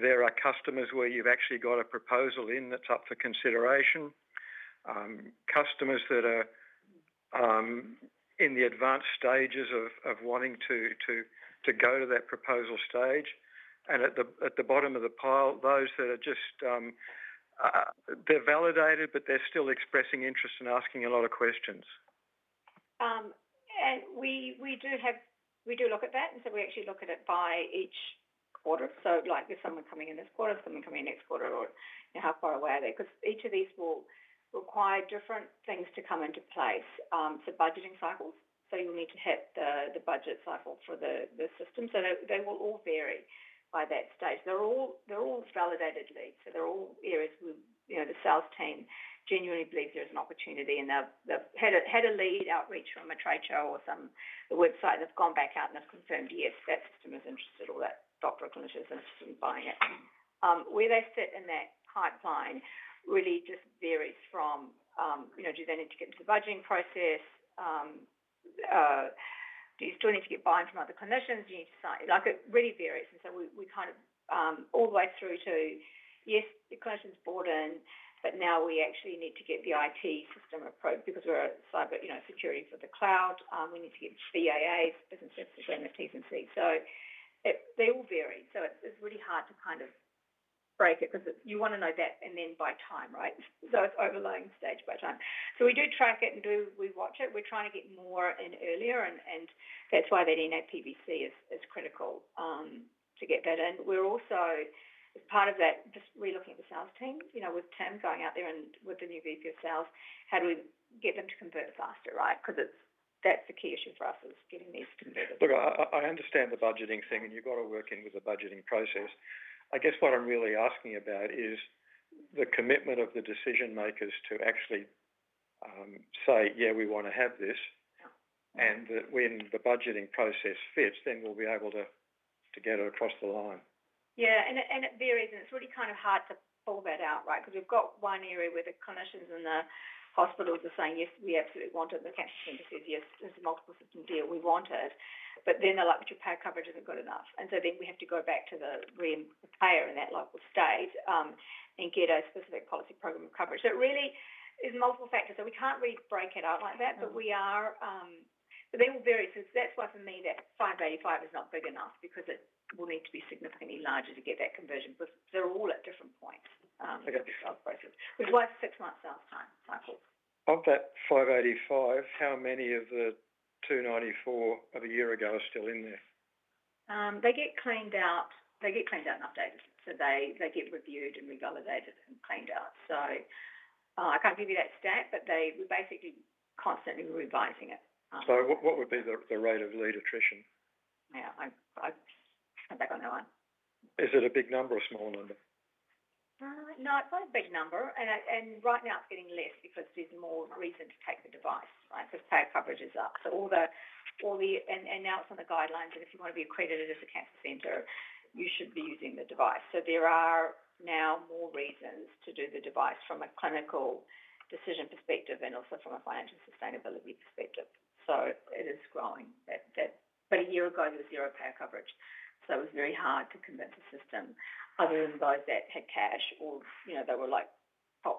there are customers where you've actually got a proposal in that's up for consideration, customers that are in the advanced stages of wanting to go to that proposal stage, and at the bottom of the pile, those that are just they're validated, but they're still expressing interest and asking a lot of questions? We do look at that. And so we actually look at it by each quarter. So there's someone coming in this quarter, someone coming in next quarter, or how far away are they? Because each of these will require different things to come into place. So budgeting cycles. So you'll need to hit the budget cycle for the system. So they will all vary by that stage. They're all validated leads. So they're all areas where the sales team genuinely believes there's an opportunity. And they've had a lead outreach from a trade show or some website. They've gone back out and they've confirmed, "Yes, that system is interested," or, "That doctor or clinician is interested in buying it." Where they sit in that pipeline really just varies from, do they need to get into the budgeting process? Do you still need to get buy-in from other clinicians? Do you need to sign? It really varies. And so we kind of all the way through to, "Yes, the clinician's bought in, but now we actually need to get the IT system approved because of cyber security for the cloud. We need to get CAAs, business systems, and the TCC." So they all vary. So it's really hard to kind of break it down because you want to know that and then by time, right? So it's overlaying stage by time. We do track it and we watch it. We're trying to get more in earlier. That's why that in NAPBC is critical to get that in. We're also, as part of that, just re-looking at the sales team with Tim going out there and with the new VP of Sales, how do we get them to convert faster, right? Because that's the key issue for us is getting these converted. Look, I understand the budgeting thing, and you've got to work in with the budgeting process. I guess what I'm really asking about is the commitment of the decision-makers to actually say, "Yeah, we want to have this," and that when the budgeting process fits, then we'll be able to get it across the line. Yeah. It varies. It's really kind of hard to pull that out, right? Because we've got one area where the clinicians and the hospitals are saying, "Yes, we absolutely want it." And the CAPEX team says, "Yes, it's a multiple system deal. We want it." But then they're like, "But your payer coverage isn't good enough." And so then we have to go back to the payer in that local state and get a specific policy program of coverage. So it really is multiple factors. So we can't really break it out like that, but we are. But they all vary. So that's why, for me, that 585 is not big enough because it will need to be significantly larger to get that conversion because they're all at different points. They've got the sales process. We've got six-month sales time cycles. Of that 585, how many of the 294 of a year ago are still in there? They get cleaned out. They get cleaned out and updated. So they get reviewed and revalidated and cleaned out. So I can't give you that stat, but we're basically constantly revising it. So what would be the rate of lead attrition? Yeah. I can't think of anyone. Is it a big number or a small number? No, it's not a big number. And right now, it's getting less because there's more reason to take the device, right, because payer coverage is up. So, and now it's on the guidelines that if you want to be accredited as a cancer center, you should be using the device. So there are now more reasons to do the device from a clinical decision perspective and also from a financial sustainability perspective. So it is growing. But a year ago, there was zero payer coverage. It was very hard to convert the system other than those that had cash or they were like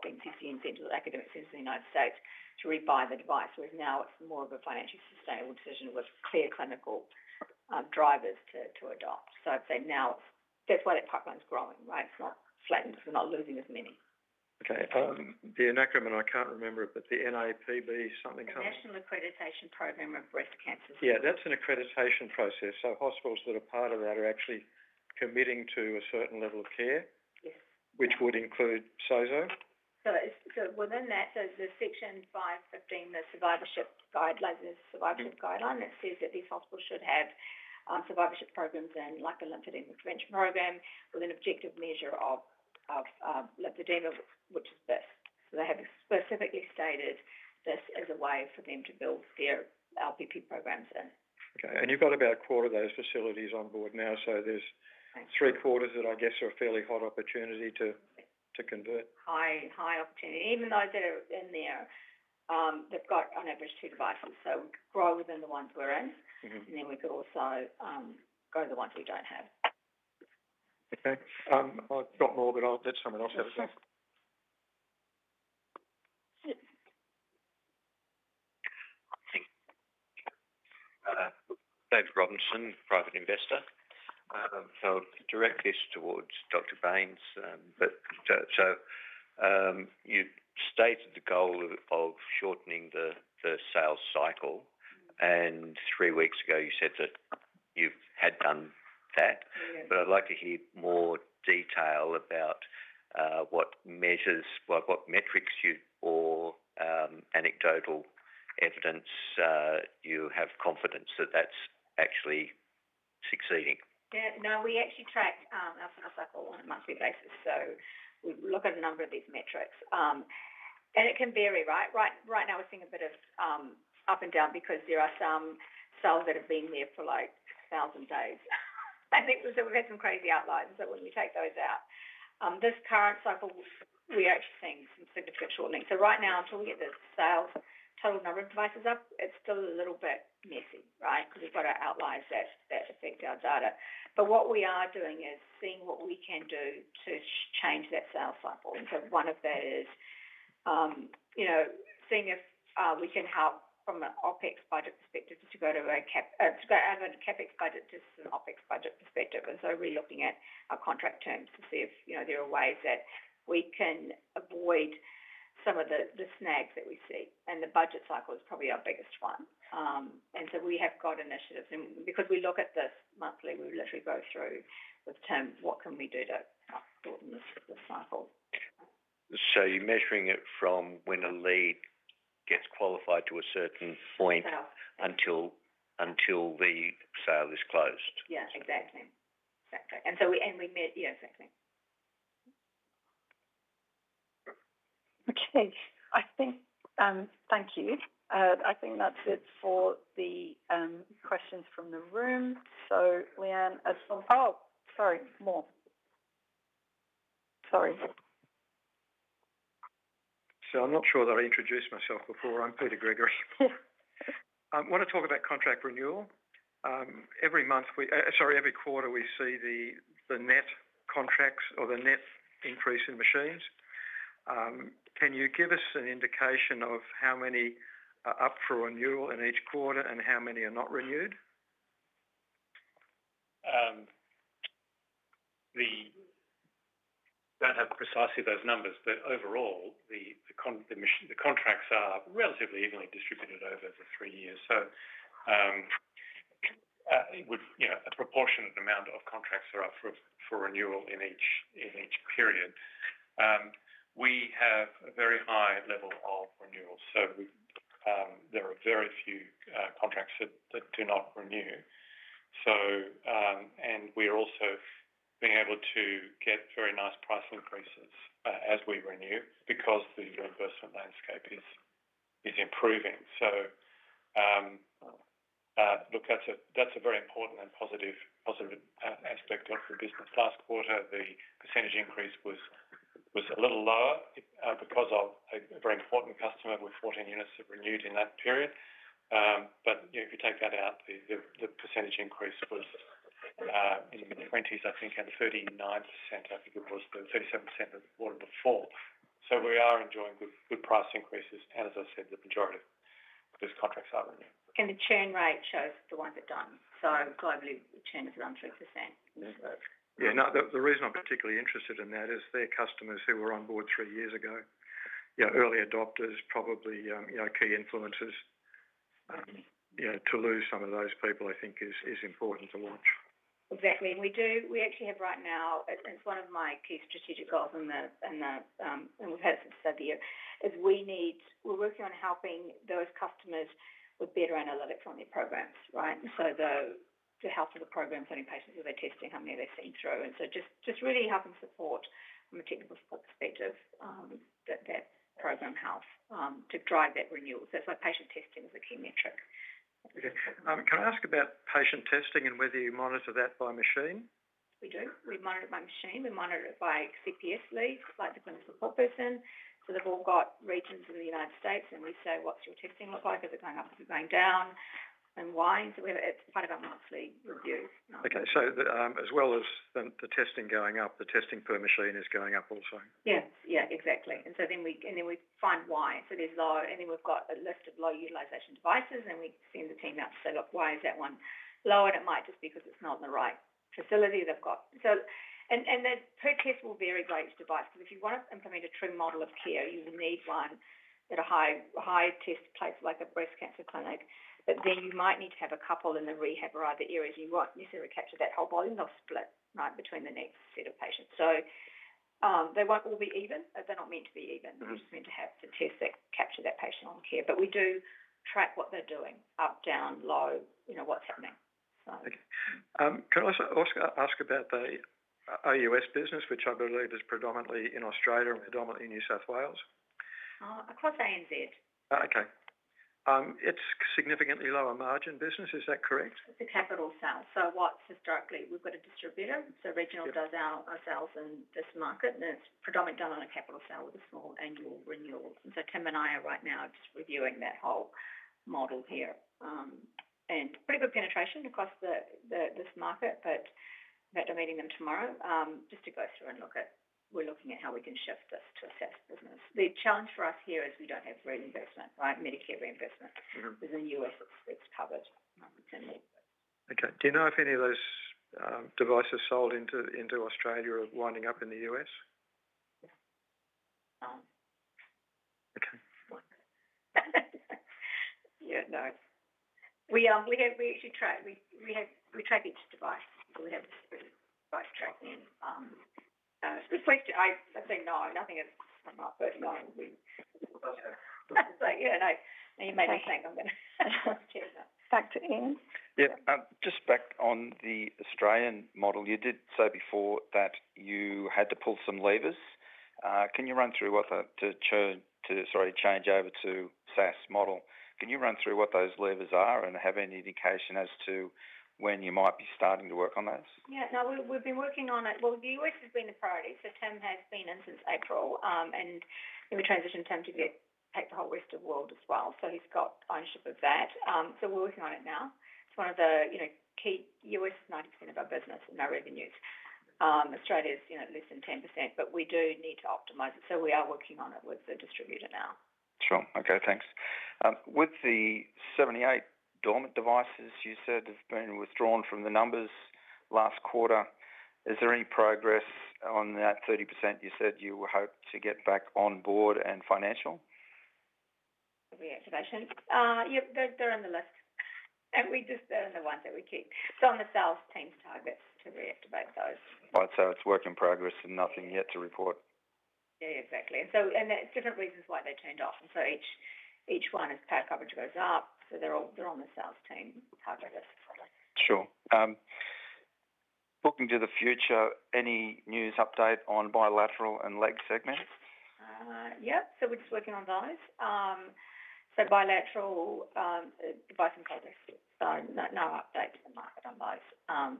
making 50-cent academic sense in the United States to rebuy the device. Whereas now, it's more of a financially sustainable decision with clear clinical drivers to adopt. So I'd say now that's why that pipeline's growing, right? It's not flattened because we're not losing as many. Okay. The acronym, I can't remember it, but the NAPBC something something. The National Accreditation Program for Breast Centers. Yeah. That's an accreditation process. So hospitals that are part of that are actually committing to a certain level of care, which would include SOZO. So within that, the Section 515, the Survivorship Guidelines, Survivorship Guideline, that says that these hospitals should have survivorship programs and like a lymphedema prevention program with an objective measure of lymphedema, which is this. They have specifically stated this as a way for them to build their LPP programs in. Okay. And you've got about a quarter of those facilities on board now. So there's three quarters that I guess are a fairly hot opportunity to convert. High opportunity. Even those that are in there, they've got on average two devices. So we could grow within the ones we're in, and then we could also go to the ones we don't have. Okay. I've got more, but that's something else I haven't got. Thanks. David Robinson, private investor. So direct this towards Dr. Bains. So you stated the goal of shortening the sales cycle. And three weeks ago, you said that you had done that. But I'd like to hear more detail about what measures, what metrics, or anecdotal evidence you have confidence that that's actually succeeding. Yeah. Yeah. No, we actually track our cycle on a monthly basis. So we look at a number of these metrics. And it can vary, right? Right now, we're seeing a bit of up and down because there are some cells that have been there for like 1,000 days. And we've had some crazy outliers. So when you take those out, this current cycle, we're actually seeing some significant shortening. So right now, until we get the sales total number of devices up, it's still a little bit messy, right? Because we've got our outliers that affect our data. But what we are doing is seeing what we can do to change that sales cycle. And so one of that is seeing if we can help from an OpEx budget perspective to go out of a CapEx budget to some OpEx budget perspective. And so we're looking at our contract terms to see if there are ways that we can avoid some of the snags that we see. And the budget cycle is probably our biggest one. And so we have got initiatives. And because we look at this monthly, we literally go through with Tim, "What can we do to help shorten this cycle?" So you're measuring it from when a lead gets qualified to a certain point until the sale is closed. Yeah. Exactly. Exactly. And we met. Yeah. Exactly. Okay. Thank you. I think that's it for the questions from the room. So Leanne at some, sorry. More. Sorry. So I'm not sure that I introduced myself before. I'm Peter Gregory. I want to talk about contract renewal. Every month we sorry, every quarter, we see the net contracts or the net increase in machines. Can you give us an indication of how many are up for renewal in each quarter and how many are not renewed? We don't have precisely those numbers, but overall, the contracts are relatively evenly distributed over the three years. So a proportionate amount of contracts are up for renewal in each period. We have a very high level of renewal. So there are very few contracts that do not renew. And we're also being able to get very nice price increases as we renew because the reimbursement landscape is improving. So look, that's a very important and positive aspect of the business. Last quarter, the percentage increase was a little lower because of a very important customer with 14 units that renewed in that period. But if you take that out, the percentage increase was in the mid-20s%, I think, and 39%, I think it was, the 37% of the quarter before. So we are enjoying good price increases. And as I said, the majority of those contracts are renewed. And the churn rate shows the ones that don't. So globally, the churn is a round 3%. Yeah. No, the reason I am particularly interested in that is their customers who were on board three years ago, early adopters, probably key influencers. To l ose some of those people, I think, is important to watch. Exactly. And we actually have right now. It is one of my key strategic goals in the US, and we have had it since the start of the year. We are working on helping those customers with better analytics on their programs, right? So, to help with the programs, any patients that they're testing, how many they've seen through. And so, just really helping support from a technical perspective, that program helps to drive that renewal. So, it's like patient testing is a key metric. Can I ask about patient testing and whether you monitor that by machine? We do. We monitor it by machine. We monitor it by CPS leads like the clinical support person. So, they've all got regions in the United States. And we say, "What's your testing look like? Is it going up? Is it going down? And why?" So, it's part of our monthly review. Okay. So, as well as the testing going up, the testing per machine is going up also? Yes. Yeah. Exactly. And so, then we find why. So, there's low. And then, we've got a list of low utilization devices. And we send the team out to say, "Look, why is that one low?" It might just be because it's not in the right facility they've got. The per test will vary by each device. Because if you want to implement a true model of care, you will need one at a high test place like a breast cancer clinic. But then you might need to have a couple in the rehab or other areas. You won't necessarily capture that whole volume. They'll split, right, between the next set of patients. So they won't all be even. They're not meant to be even. They're just meant to have to test that, capture that patient on care. But we do track what they're doing, up, down, low, what's happening, so. Okay. Can I ask about the AUS business, which I believe is predominantly in Australia and predominantly in New South Wales? Across ANZ. Okay. It's a significantly lower margin business. Is that correct? It's a capital sale. So what's historically? We've got a distributor. So Regional does our sales in this market. And it's predominantly done on a capital sale with a small annual renewal. And so Tim and I are right now just reviewing that whole model here. And pretty good penetration across this market, but they're meeting them tomorrow just to go through and look at we're looking at how we can shift this to a SaaS business. The challenge for us here is we don't have reimbursement, right? Medicare reimbursement. There's a new effort that's covered. Okay. Do you know if any of those devices sold into Australia are winding up in the US? Okay. Yeah. No. We actually track each device. So we have a separate device tracking. So it's a question. I'd say no. Nothing has come up. But no. Yeah. No. You made me think. I'm going to check that. Back to Ian. Yeah. Just back on the Australian model, you did say before that you had to pull some levers. Can you run through what the, sorry, change over to SaaS model? Can you run through what those levers are and have any indication as to when you might be starting to work on those? Yeah. No, we've been working on it. Well, the US has been the priority. So Tim has been in since April. And we transitioned Tim to take the whole rest of the world as well. So he's got ownership of that. So we're working on it now. It's one of the key U.S. is 90% of our business and our revenues. Australia is less than 10%. But we do need to optimize it. So we are working on it with the distributor now. Sure. Okay. Thanks. With the 78 dormant devices you said have been withdrawn from the numbers last quarter, is there any progress on that 30% you said you hoped to get back on board and financial? Reactivation. Yeah. They're on the list. And we just—they're on the ones that we keep. So on the sales team's target to reactivate those. Right. So it's work in progress and nothing yet to report. Yeah. Exactly. And there's different reasons why they turned off. And so each one is payor coverage goes up. So they're on the sales team targeted. Sure. Looking to the future, any news update on bilateral and leg segments? Yep. So we're just working on those. So bilateral device and coverage. So no update to the market on those.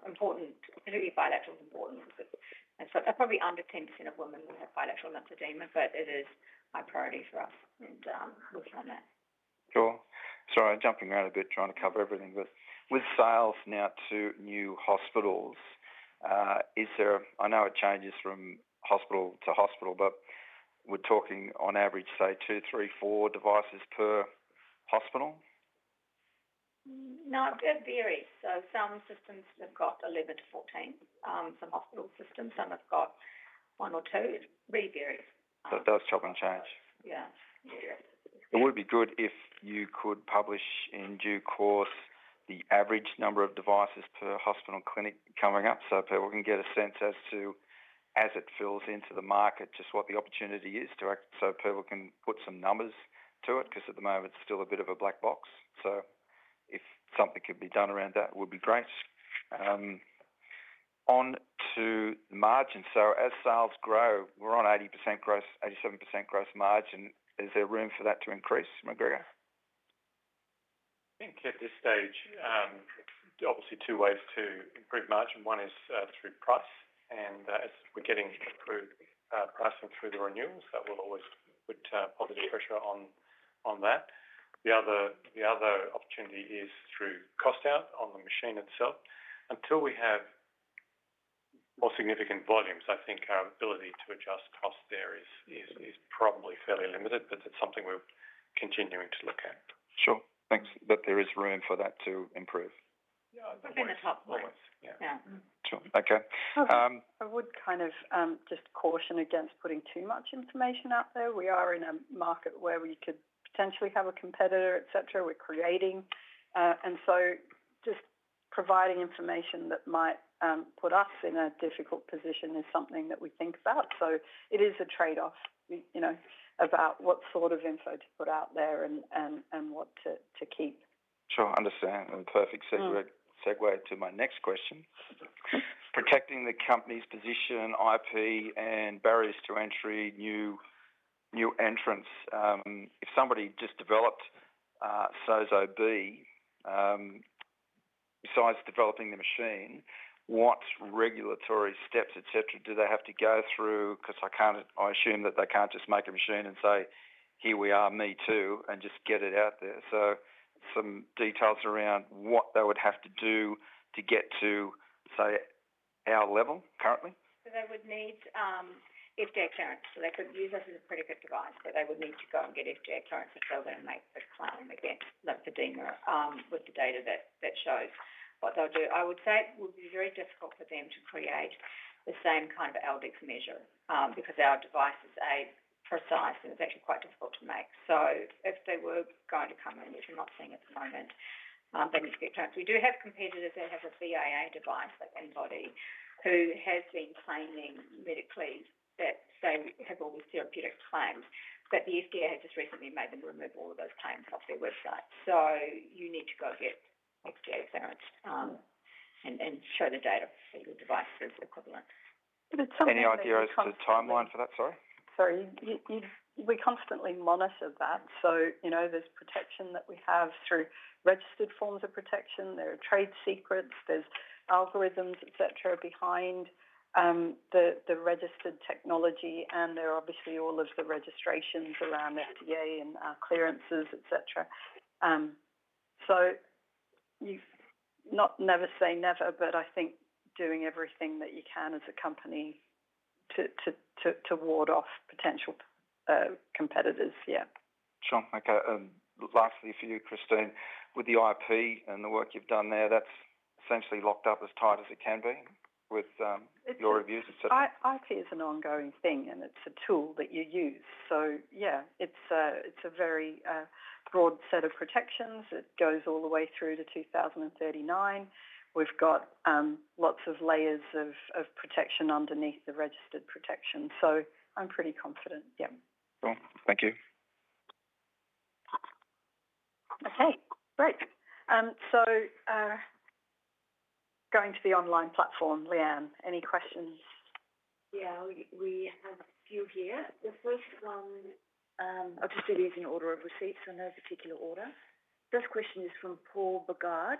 Important. Completely bilateral is important, and so probably under 10% of women will have bilateral lymphedema. But it is a high priority for us and working on that. Sure. Sorry, jumping around a bit trying to cover everything. With sales now to new hospitals, is there, I know it changes from hospital to hospital, but we're talking on average, say, two, three, four devices per hospital? No. It varies, so some systems have got 11 to 14. Some hospital systems. Some have got one or two. It really varies. so it does chop and change. Yeah. It would be good if you could publish in due course the average number of devices per hospital and clinic coming up so people can get a sense as it fills into the market just what the opportunity is to act. So people can put some numbers to it because at the moment, it's still a bit of a black box. So if something could be done around that, it would be great. On to margin. So as sales grow, we're on 87% gross margin. Is there room for that to increase, McGregor? I think at this stage, obviously, two ways to improve margin. One is through price. And as we're getting pricing through the renewals, that will always put positive pressure on that. The other opportunity is through cost out on the machine itself. Until we have more significant volumes, I think our ability to adjust cost there is probably fairly limited. But it's something we're continuing to look at. Sure. Thanks. That there is room for that to improve. Within the top four. Yeah. Sure. Okay. I would kind of just caution against putting too much information out there. We are in a market where we could potentially have a competitor, etc. We're creating. And so just providing information that might put us in a difficult position is something that we think about. So it is a trade-off about what sort of info to put out there and what to keep. Sure. Understand. And perfect segue to my next question. Protecting the company's position, IP, and barriers to entry, new entrants. If somebody just developed SOZO, besides developing the machine, what regulatory steps, etc., do they have to go through? Because I assume that they can't just make a machine and say, "Here we are, me too," and just get it out there. So some details around what they would have to do to get to, say, our level currently? They would need FDA clearance. They could use us as a predicate device. But they would need to go and get FDA clearance to file and make the claim and make the L-Dex with the data that shows what they'll do. I would say it would be very difficult for them to create the same kind of L-Dex measure because our device is a precise. And it's actually quite difficult to make. If they were going to come in, which we're not seeing at the moment, they need to get clearance. We do have competitors that have a BIA device, like InBody, who has been claiming medically that they have all these therapeutic claims. But the FDA has just recently made them remove all of those claims off their website. So you need to go get FDA clearance and show the data for your devices equivalent. But it's something that's. Any idea as to the timeline for that? We constantly monitor that. So there's protection that we have through registered forms of protection. There are trade secrets. There's algorithms, etc., behind the registered technology. And there are obviously all of the registrations around FDA and clearances, etc. So never say never. But I think doing everything that you can as a company to ward off potential competitors. Yeah. Sure. Okay. Lastly, for you, Christine, with the IP and the work you've done there, that's essentially locked up as tight as it can be with your reviews? IP is an ongoing thing. And it's a tool that you use. So yeah, it's a very broad set of protections. It goes all the way through to 2039. We've got lots of layers of protection underneath the registered protection. So I'm pretty confident. Yeah. Cool. Thank you. Okay. Great. So going to the online platform, Leanne. Any questions? Yeah. We have a few here. The first one. I'll just do these in order of receipt. So no particular order. First question is from Paul Boger.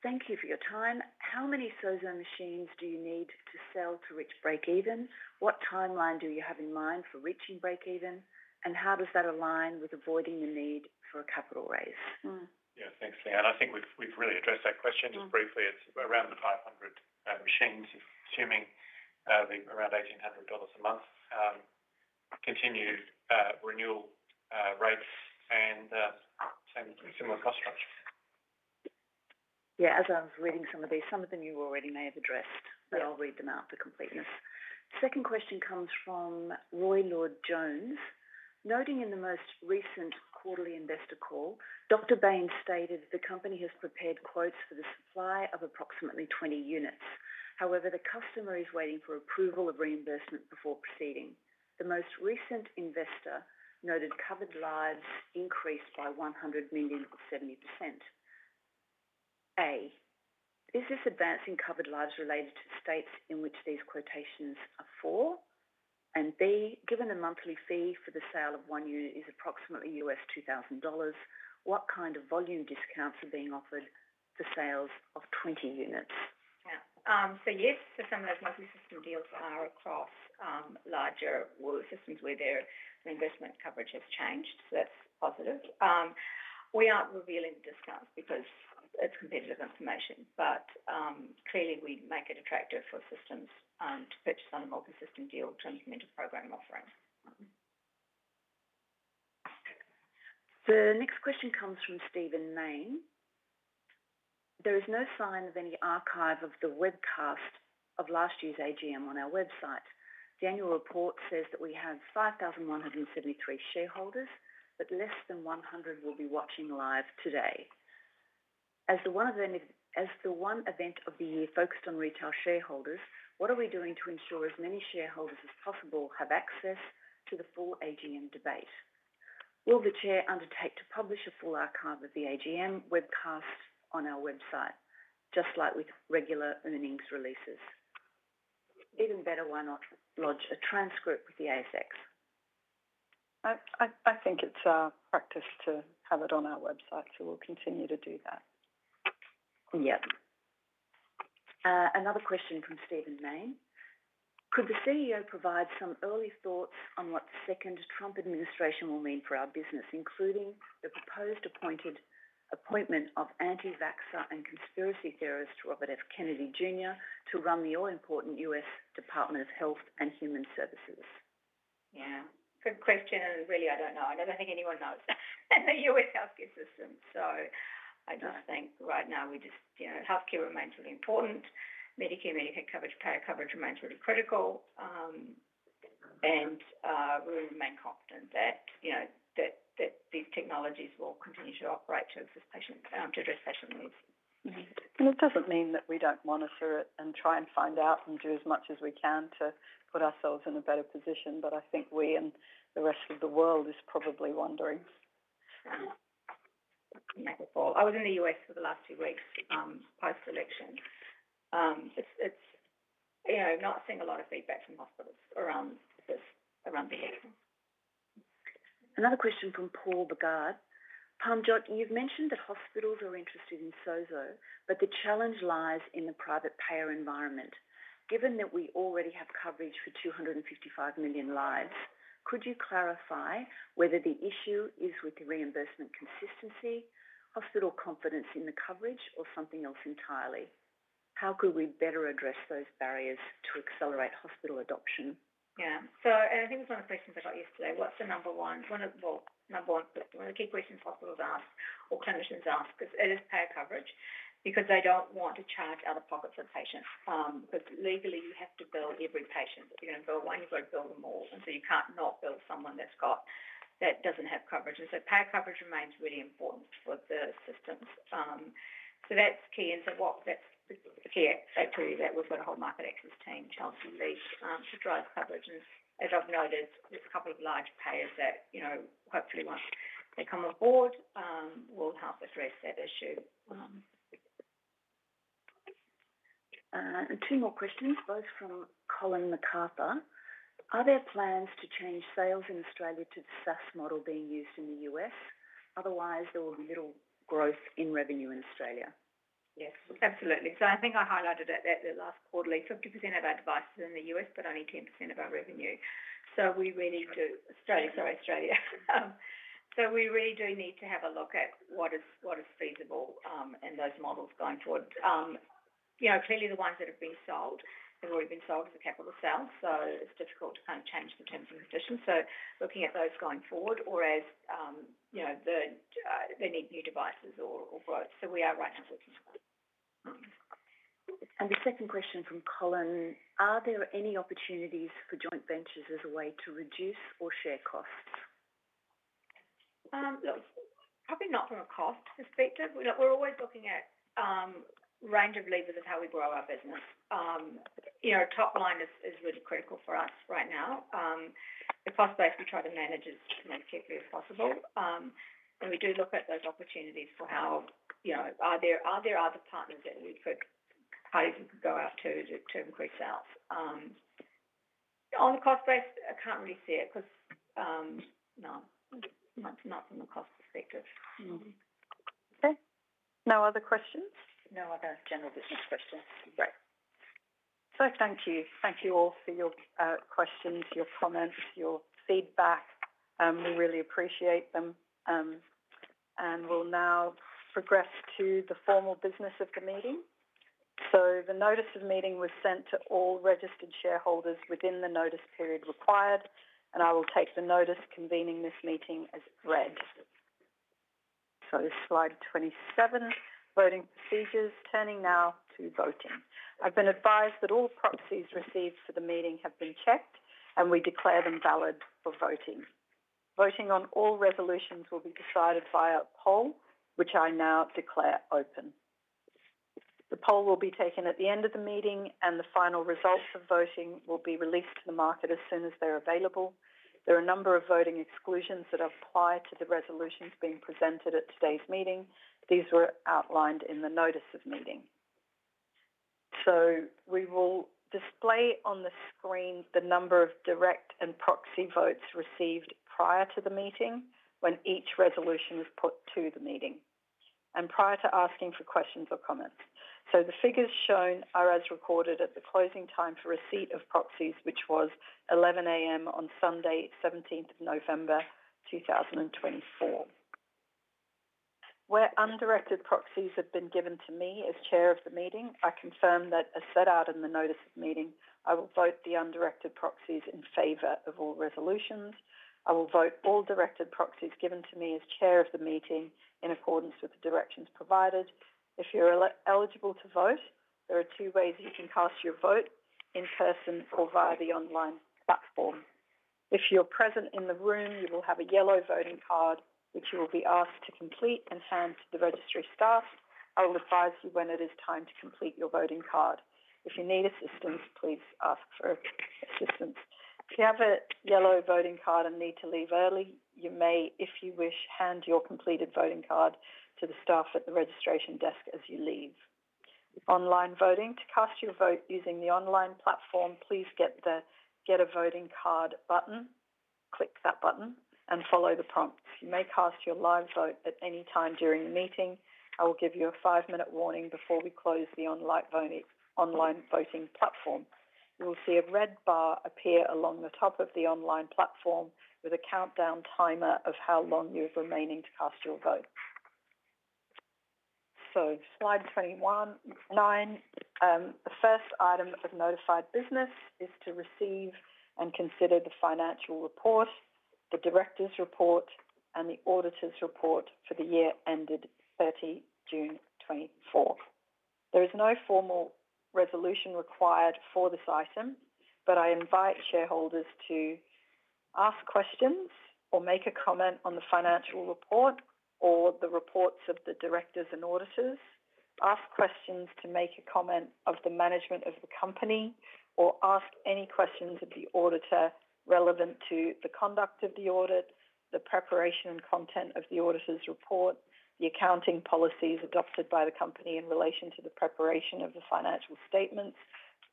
Thank you for your time. How many SOZO machines do you need to sell to reach break-even? What timeline do you have in mind for reaching break-even? And how does that align with avoiding the need for a capital raise? Yeah. Thanks, Leanne. I think we've really addressed that question. Just briefly, it's around the 500 machines, assuming around 1,800 dollars a month. Continued renewal rates and similar cost structure. Yeah. As I was reading some of these, some of them you already may have addressed. But I'll read them out for completeness. Second question comes from Roy Lloyd Jones. Noting in the most recent quarterly investor call, Dr. Bains stated the company has prepared quotes for the supply of approximately 20 units. However, the customer is waiting for approval of reimbursement before proceeding. The most recent investor noted covered lives increased by 100 million at 70%. A. Is this advance in covered lives related to states in which these quotations are for? And B, given the monthly fee for the sale of one unit is approximately 2,000 dollars, what kind of volume discounts are being offered for sales of 20 units? Yeah. So yes. So some of those multi-system deals are across larger systems where their reimbursement coverage has changed. So that's positive. We aren't revealing the discounts because it's competitive information. But clearly, we make it attractive for systems to purchase on a multi-system deal to implement a program offering. The next question comes from Stephen Mayne. There is no sign of any archive of the webcast of last year's AGM on our website. The annual report says that we have 5,173 shareholders, but less than 100 will be watching live today. As the one event of the year focused on retail shareholders, what are we doing to ensure as many shareholders as possible have access to the full AGM debate? Will the chair undertake to publish a full archive of the AGM webcast on our website, just like with regular earnings releases? Even better, why not lodge a transcript with the ASX? I think it's practice to have it on our website. So we'll continue to do that. Yeah. Another question from Stephen Mayne. Could the CEO provide some early thoughts on what the second Trump administration will mean for our business, including the proposed appointment of anti-vaxxer and conspiracy theorist Robert F. Kennedy Jr. to run the all-important U.S. Department of Health and Human Services? Yeah. Good question. And really, I don't know. I don't think anyone knows that. The U.S. healthcare system. So I just think right now, healthcare remains really important. Medicare, Medicaid coverage, payer coverage remains really critical. And we remain confident that these technologies will continue to operate to address patient needs. And it doesn't mean that we don't monitor it and try and find out and do as much as we can to put ourselves in a better position. But I think we and the rest of the world is probably wondering. I was in the US for the last two weeks post-election. I'm not seeing a lot of feedback from hospitals around the area. Another question from Paul Boger. Parmjot, you've mentioned that hospitals are interested in SOZO, but the challenge lies in the private payer environment. Given that we already have coverage for 255 million lives, could you clarify whether the issue is with the reimbursement consistency, hospital confidence in the coverage, or something else entirely? How could we better address those barriers to accelerate hospital adoption? Yeah. So I think it's one of the questions I got yesterday. What's the number one - well, one of the key questions hospitals ask or clinicians ask is, "Is it payer coverage?" Because they don't want to charge out-of-pocket patients. Because legally, you have to bill every patient. If you're going to bill one, you've got to bill them all. And so you can't not bill someone that doesn't have coverage. And so payer coverage remains really important for the systems. So that's key. And so that's the key activity that we've got a whole market access team, Chelsea Leach, to drive coverage. And as I've noted, there's a couple of large payers that hopefully, once they come aboard, will help address that issue. And two more questions, both from Colin McArthur. Are there plans to change sales in Australia to the SaaS model being used in the US? Otherwise, there will be little growth in revenue in Australia. Yes. Absolutely. So I think I highlighted that last quarterly, 50% of our devices are in Australia, but only 10% of our revenue. So we really do need to have a look at what is feasible in those models going forward. Clearly, the ones that have been sold have already been sold as a capital sale. So it's difficult to kind of change the terms and conditions. So looking at those going forward or as they need new devices or growth. So we are right now looking forward. And the second question from Colin, are there any opportunities for joint ventures as a way to reduce or share costs? Probably not from a cost perspective. We're always looking at range of levers as how we grow our business. Top line is really critical for us right now. The cost base we try to manage as carefully as possible. And we do look at those opportunities for how are there other partners that we could go out to to increase sales? On the cost base, I can't really see it because not from a cost perspective. Okay. No other questions? No other general business questions. Great. So thank you. Thank you all for your questions, your comments, your feedback. We really appreciate them. And we'll now progress to the formal business of the meeting. So the notice of meeting was sent to all registered shareholders within the notice period required. And I will take the notice convening this meeting as read. So slide 27, voting procedures. Turning now to voting. I've been advised that all proxies received for the meeting have been checked, and we declare them valid for voting. Voting on all resolutions will be decided via poll, which I now declare open. The poll will be taken at the end of the meeting, and the final results of voting will be released to the market as soon as they're available. There are a number of voting exclusions that apply to the resolutions being presented at today's meeting. These were outlined in the notice of meeting. So we will display on the screen the number of direct and proxy votes received prior to the meeting when each resolution is put to the meeting and prior to asking for questions or comments. So the figures shown are as recorded at the closing time for receipt of proxies, which was 11:00 A.M. on Sunday, 17th of November, 2024. Where undirected proxies have been given to me as chair of the meeting, I confirm that as set out in the notice of meeting, I will vote the undirected proxies in favor of all resolutions. I will vote all directed proxies given to me as chair of the meeting in accordance with the directions provided. If you're eligible to vote, there are two ways you can cast your vote: in person or via the online platform. If you're present in the room, you will have a yellow voting card, which you will be asked to complete and hand to the registry staff. I will advise you when it is time to complete your voting card. If you need assistance, please ask for assistance. If you have a yellow voting card and need to leave early, you may, if you wish, hand your completed voting card to the staff at the registration desk as you leave. Online voting. To cast your vote using the online platform, please get the Get a Voting Card button. Click that button and follow the prompts. You may cast your live vote at any time during the meeting. I will give you a five-minute warning before we close the online voting platform. You will see a red bar appear along the top of the online platform with a countdown timer of how long you have remaining to cast your vote. So slide 21, nine. The first item of notified business is to receive and consider the financial report, the director's report, and the auditor's report for the year ended 30 June 2024. There is no formal resolution required for this item, but I invite shareholders to ask questions or make a comment on the financial report or the reports of the directors and auditors. Ask questions to make a comment of the management of the company or ask any questions of the auditor relevant to the conduct of the audit, the preparation and content of the auditor's report, the accounting policies adopted by the company in relation to the preparation of the financial statements,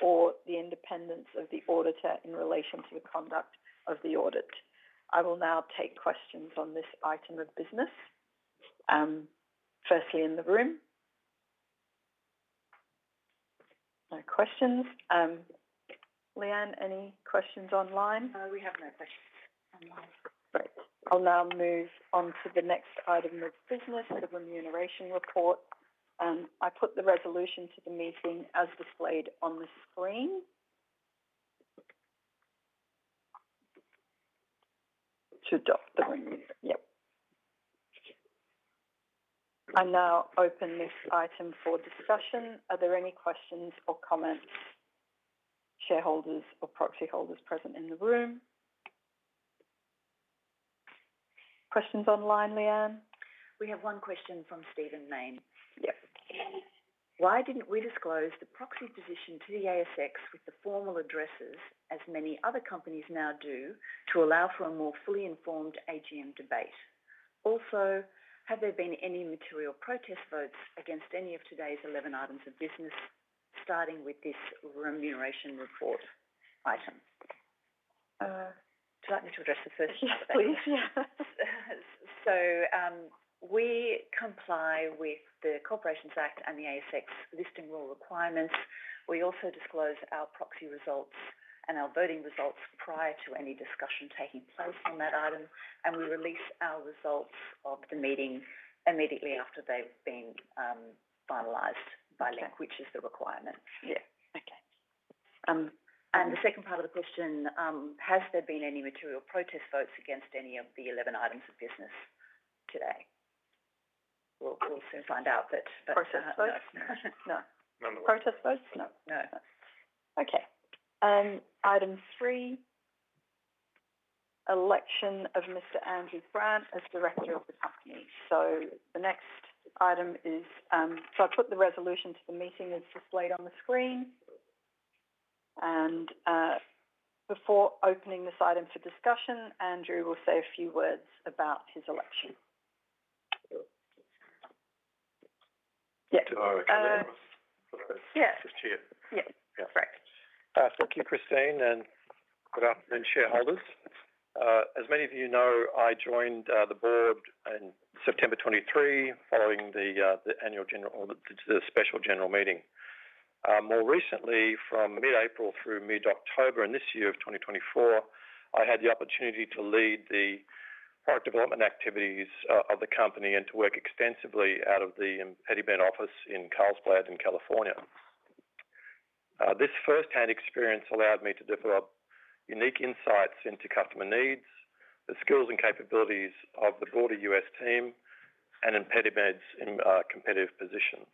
or the independence of the auditor in relation to the conduct of the audit. I will now take questions on this item of business. Firstly, in the room. No questions. Leanne, any questions online? We have no questions online. Great. I'll now move on to the next item of business, the remuneration report. I put the resolution to the meeting as displayed on the screen to adopt the remuneration. Yep. I now open this item for discussion. Are there any questions or comments? Shareholders or proxy holders present in the room? Questions online, Leanne? We have one question from Stephen Main. Yep. Why didn't we disclose the proxy position to the ASX with the formal addresses, as many other companies now do, to allow for a more fully informed AGM debate? Also, have there been any material protest votes against any of today's 11 items of business, starting with this remuneration report item? Do you like me to address the first part of that question? Please. Yeah. So we comply with the Corporations Act and the ASX listing rule requirements. We also disclose our proxy results and our voting results prior to any discussion taking place on that item. And we release our results of the meeting immediately after they've been finalized by Link, which is the requirement. Yeah. Okay. And the second part of the question, has there been any material protest votes against any of the 11 items of business today? We'll soon find out, but. Protest votes? No. No. Protest votes? No. No. Okay. Item three, election of Mr. Andrew Grant as director of the company. So the next item is. I put the resolution to the meeting as displayed on the screen. And before opening this item for discussion, Andrew will say a few words about his election. Yeah. To our accounting office. Yeah. Just here. Yeah. Great. Thank you, Christine. And good afternoon, shareholders. As many of you know, I joined the board in September 2023 following the special general meeting. More recently, from mid-April through mid-October in this year of 2024, I had the opportunity to lead the product development activities of the company and to work extensively out of the ImpediMed office in Carlsbad in California. This firsthand experience allowed me to develop unique insights into customer needs, the skills and capabilities of the broader US team, and ImpediMed's competitive position.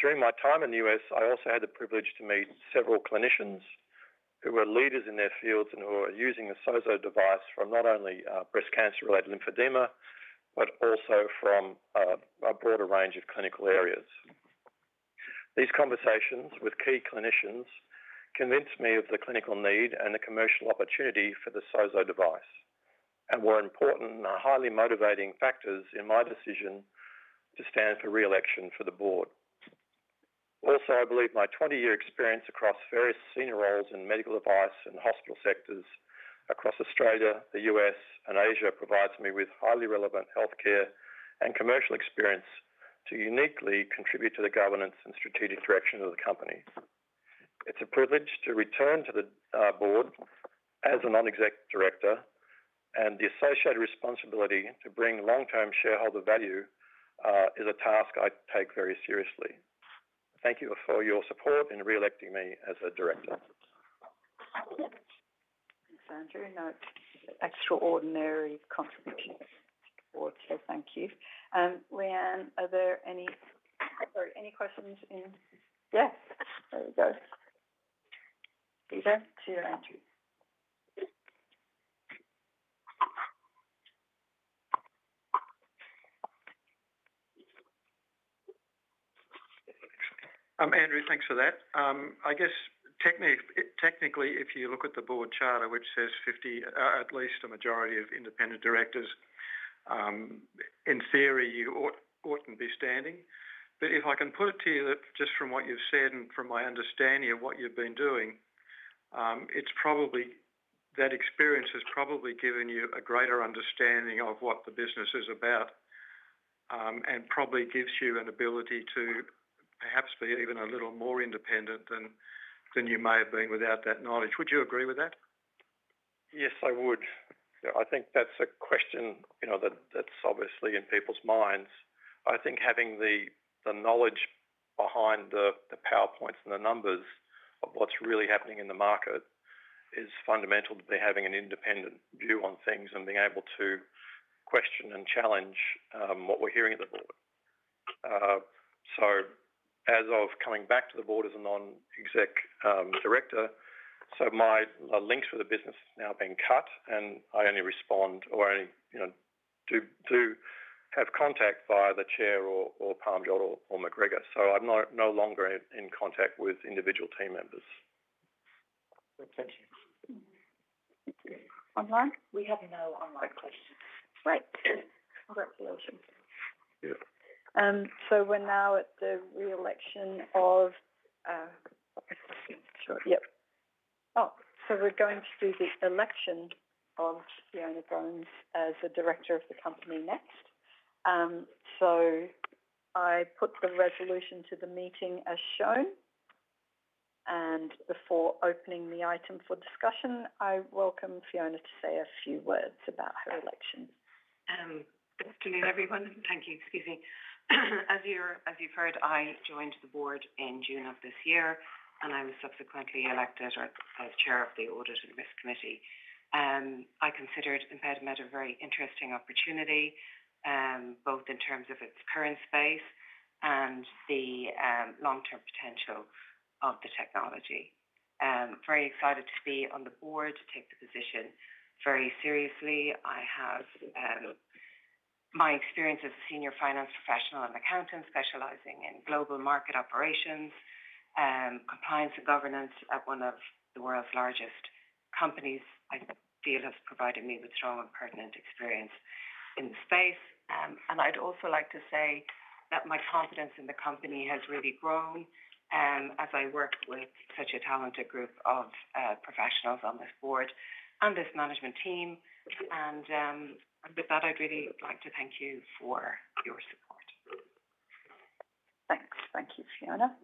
During my time in the US, I also had the privilege to meet several clinicians who were leaders in their fields and who were using the SOZO device from not only breast cancer-related lymphedema but also from a broader range of clinical areas. These conversations with key clinicians convinced me of the clinical need and the commercial opportunity for the SOZO device and were important and highly motivating factors in my decision to stand for re-election for the board. Also, I believe my 20-year experience across various senior roles in medical device and hospital sectors across Australia, the U.S., and Asia provides me with highly relevant healthcare and commercial experience to uniquely contribute to the governance and strategic direction of the company. It's a privilege to return to the board as a non-executive director, and the associated responsibility to bring long-term shareholder value is a task I take very seriously. Thank you for your support in re-electing me as a director. Thanks, Andrew. No extraordinary contribution to the board. So thank you. Leanne, are there any, sorry, any questions in? Yes. There we go. Peter, to you, Andrew. Andrew, thanks for that. I guess, technically, if you look at the board charter, which says at least a majority of independent directors, in theory, you oughtn't be standing. But if I can put it to you that just from what you've said and from my understanding of what you've been doing, that experience has probably given you a greater understanding of what the business is about and probably gives you an ability to perhaps be even a little more independent than you may have been without that knowledge. Would you agree with that? Yes, I would. I think that's a question that's obviously in people's minds. I think having the knowledge behind the PowerPoints and the numbers of what's really happening in the market is fundamental to having an independent view on things and being able to question and challenge what we're hearing at the board. So as of coming back to the board as a non-exec director, so my links with the business have now been cut, and I only respond or only do have contact via the chair or Parmjot or McGregor. So I'm no longer in contact with individual team members. Thank you. Online? We have no online questions. Great. Congratulations. So we're now at the re-election of, sorry. Yep. Oh, so we're going to do the election of Fiona Bones as the director of the company next. So I put the resolution to the meeting as shown. And before opening the item for discussion, I welcome Fiona to say a few words about her election. Good afternoon, everyone. Thank you. Excuse me. As you've heard, I joined the board in June of this year, and I was subsequently elected as chair of the audit and risk committee. I considered ImpediMed a very interesting opportunity, both in terms of its current space and the long-term potential of the technology. Very excited to be on the board, to take the position very seriously. My experience as a senior finance professional and accountant specializing in global market operations, compliance, and governance at one of the world's largest companies, I feel, has provided me with strong and pertinent experience in the space. And I'd also like to say that my confidence in the company has really grown as I work with such a talented group of professionals on this board and this management team. And with that, I'd really like to thank you for your support. Thanks. Thank you, Fiona.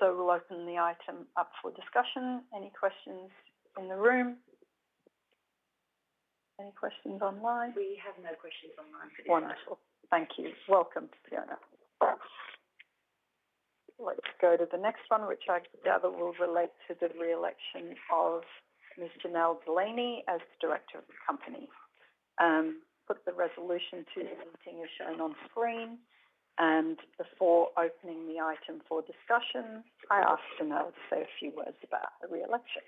So we'll open the item up for discussion. Any questions in the room? Any questions online? We have no questions online for the item. Wonderful. Thank you. Welcome, Fiona. Let's go to the next one, which I gather will relate to the re-election of Ms. Janelle Delaney as director of the company. Put the resolution to the meeting as shown on screen and, before opening the item for discussion, I ask Janelle to say a few words about the re-election.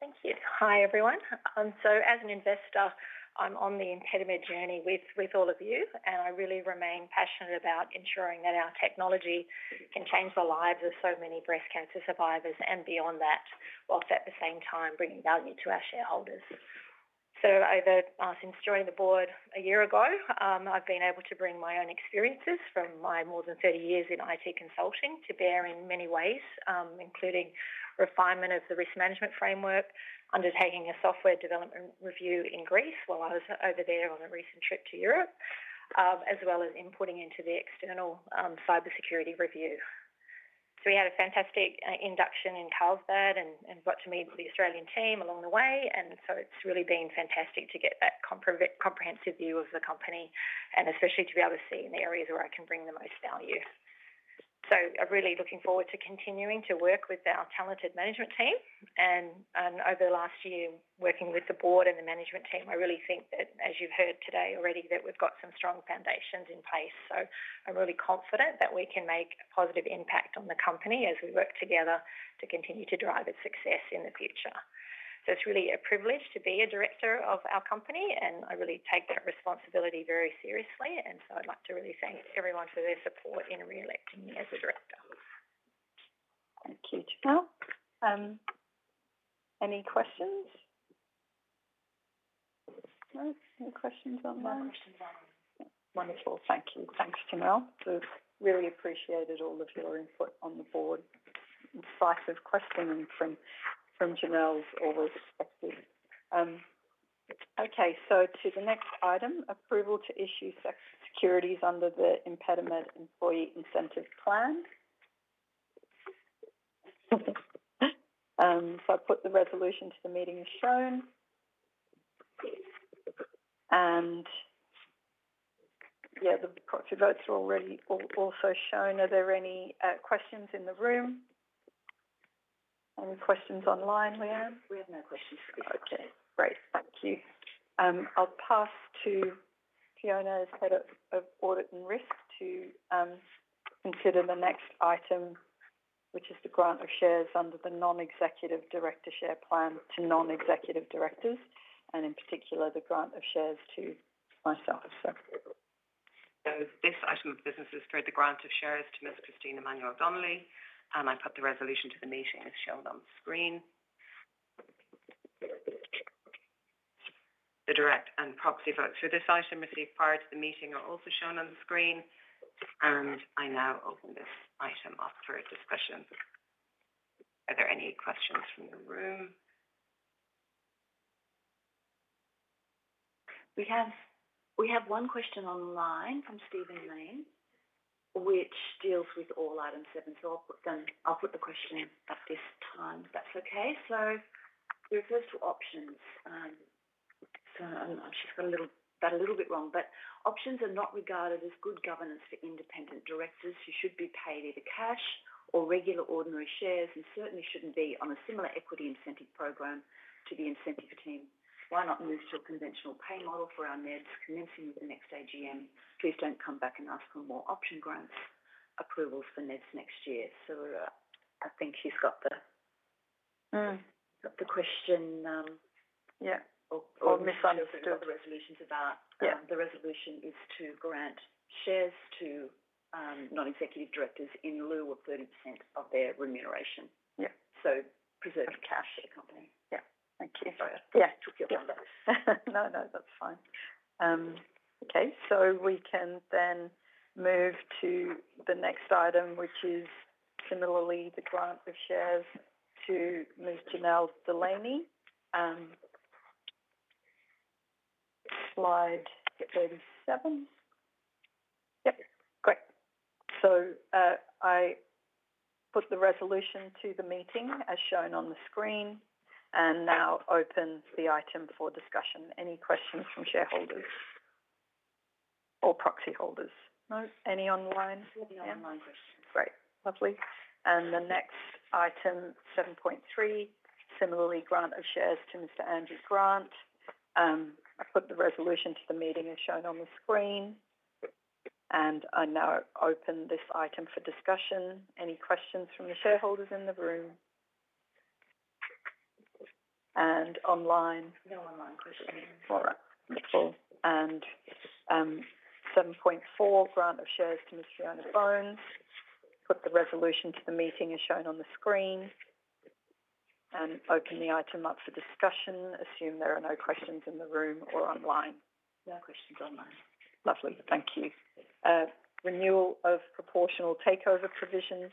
Thank you. Hi, everyone, so as an investor, I'm on the ImpediMed journey with all of you, and I really remain passionate about ensuring that our technology can change the lives of so many breast cancer survivors and beyond that, whilst at the same time bringing value to our shareholders. So since joining the board a year ago, I've been able to bring my own experiences from my more than 30 years in IT consulting to bear in many ways, including refinement of the risk management framework, undertaking a software development review in Greece while I was over there on a recent trip to Europe, as well as inputting into the external cybersecurity review. So we had a fantastic induction in Carlsbad and got to meet with the Australian team along the way. And so it's really been fantastic to get that comprehensive view of the company and especially to be able to see in the areas where I can bring the most value. So I'm really looking forward to continuing to work with our talented management team. And over the last year working with the board and the management team, I really think that, as you've heard today already, that we've got some strong foundations in place. So I'm really confident that we can make a positive impact on the company as we work together to continue to drive its success in the future. So it's really a privilege to be a director of our company, and I really take that responsibility very seriously. And so I'd like to really thank everyone for their support in re-electing me as a director. Thank you, Tim. Any questions? No? Any questions online? No questions online. Wonderful. Thank you. Thanks, Tim. We've really appreciated all of your input on the board. Insightful questioning from Janelle is always effective. Okay. So to the next item, approval to issue securities under the ImpediMed Employee Incentive Plan. So I put the resolution to the meeting as shown. And yeah, the proxy votes are already also shown. Are there any questions in the room? Any questions online, Leanne? We have no questions for the auditor. Okay. Great. Thank you. I'll pass to Fiona as head of audit and risk to consider the next item, which is the grant of shares under the non-executive director share plan to non-executive directors, and in particular, the grant of shares to myself as Chair. So this item of business is for the grant of shares to Ms. Christine Emmanuel-Donnelly. And I put the resolution to the meeting as shown on screen. The direct and proxy votes for this item received prior to the meeting are also shown on the screen. And I now open this item up for discussion. Are there any questions from the room? We have one question online from Stephen Main, which deals with all item seven. So I'll put the question at this time, if that's okay. So the first two options - sorry, I've just got that a little bit wrong - but options are not regarded as good governance for independent directors who should be paid either cash or regular ordinary shares and certainly shouldn't be on a similar equity incentive program to the incentive team. Why not move to a conventional pay model for our non-execs commencing with the next AGM? Please don't come back and ask for more option grants approvals for non-execs next year. So I think she's got the question or misunderstood the resolution's about. The resolution is to grant shares to non-executive directors in lieu of 30% of their remuneration. So preserved cash at the company. Yeah. Thank you. Sorry. I took you off my list. No, no. That's fine. Okay. So we can then move to the next item, which is similarly the grant of shares to Ms. Janelle Delaney. Slide 37. Yep. Great. So I put the resolution to the meeting as shown on the screen and now open the item for discussion. Any questions from shareholders or proxy holders? No? Any online? Any online questions. Great. Lovely, and the next item, 7.3, similarly grant of shares to Mr. Andrew Grant. I put the resolution to the meeting as shown on the screen, and I now open this item for discussion. Any questions from the shareholders in the room? And online? No online questions. All right. Wonderful, and 7.4, grant of shares to Ms. Fiona Bones. Put the resolution to the meeting as shown on the screen and open the item up for discussion. Assume there are no questions in the room or online. No questions online. Lovely. Thank you. Renewal of proportional takeover provision.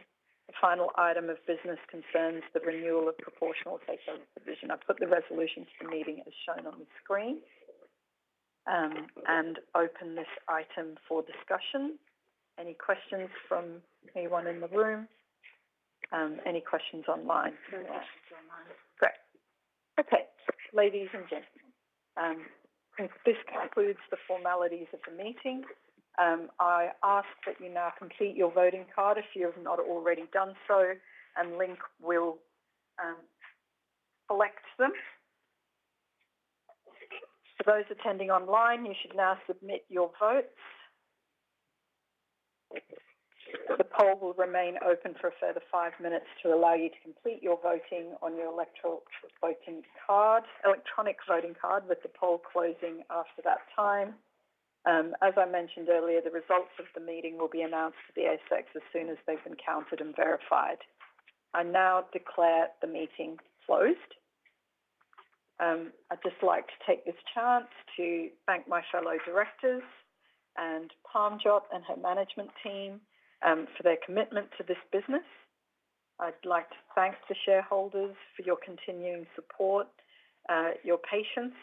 The final item of business concerns the renewal of proportional takeover provision. I put the resolution to the meeting as shown on the screen and open this item for discussion. Any questions from anyone in the room? Any questions online? No questions online. Great. Okay. Ladies and gentlemen, this concludes the formalities of the meeting. I ask that you now complete your voting card if you have not already done so, and Link will collect them. For those attending online, you should now submit your votes. The poll will remain open for a further five minutes to allow you to complete your voting on your electronic voting card, with the poll closing after that time. As I mentioned earlier, the results of the meeting will be announced to the ASX as soon as they've been counted and verified. I now declare the meeting closed. I'd just like to take this chance to thank my fellow directors and Parmjot Bains and her management team for their commitment to this business. I'd like to thank the shareholders for your continuing support, your patience,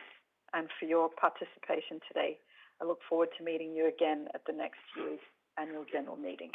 and for your participation today. I look forward to meeting you again at the next year's annual general meeting.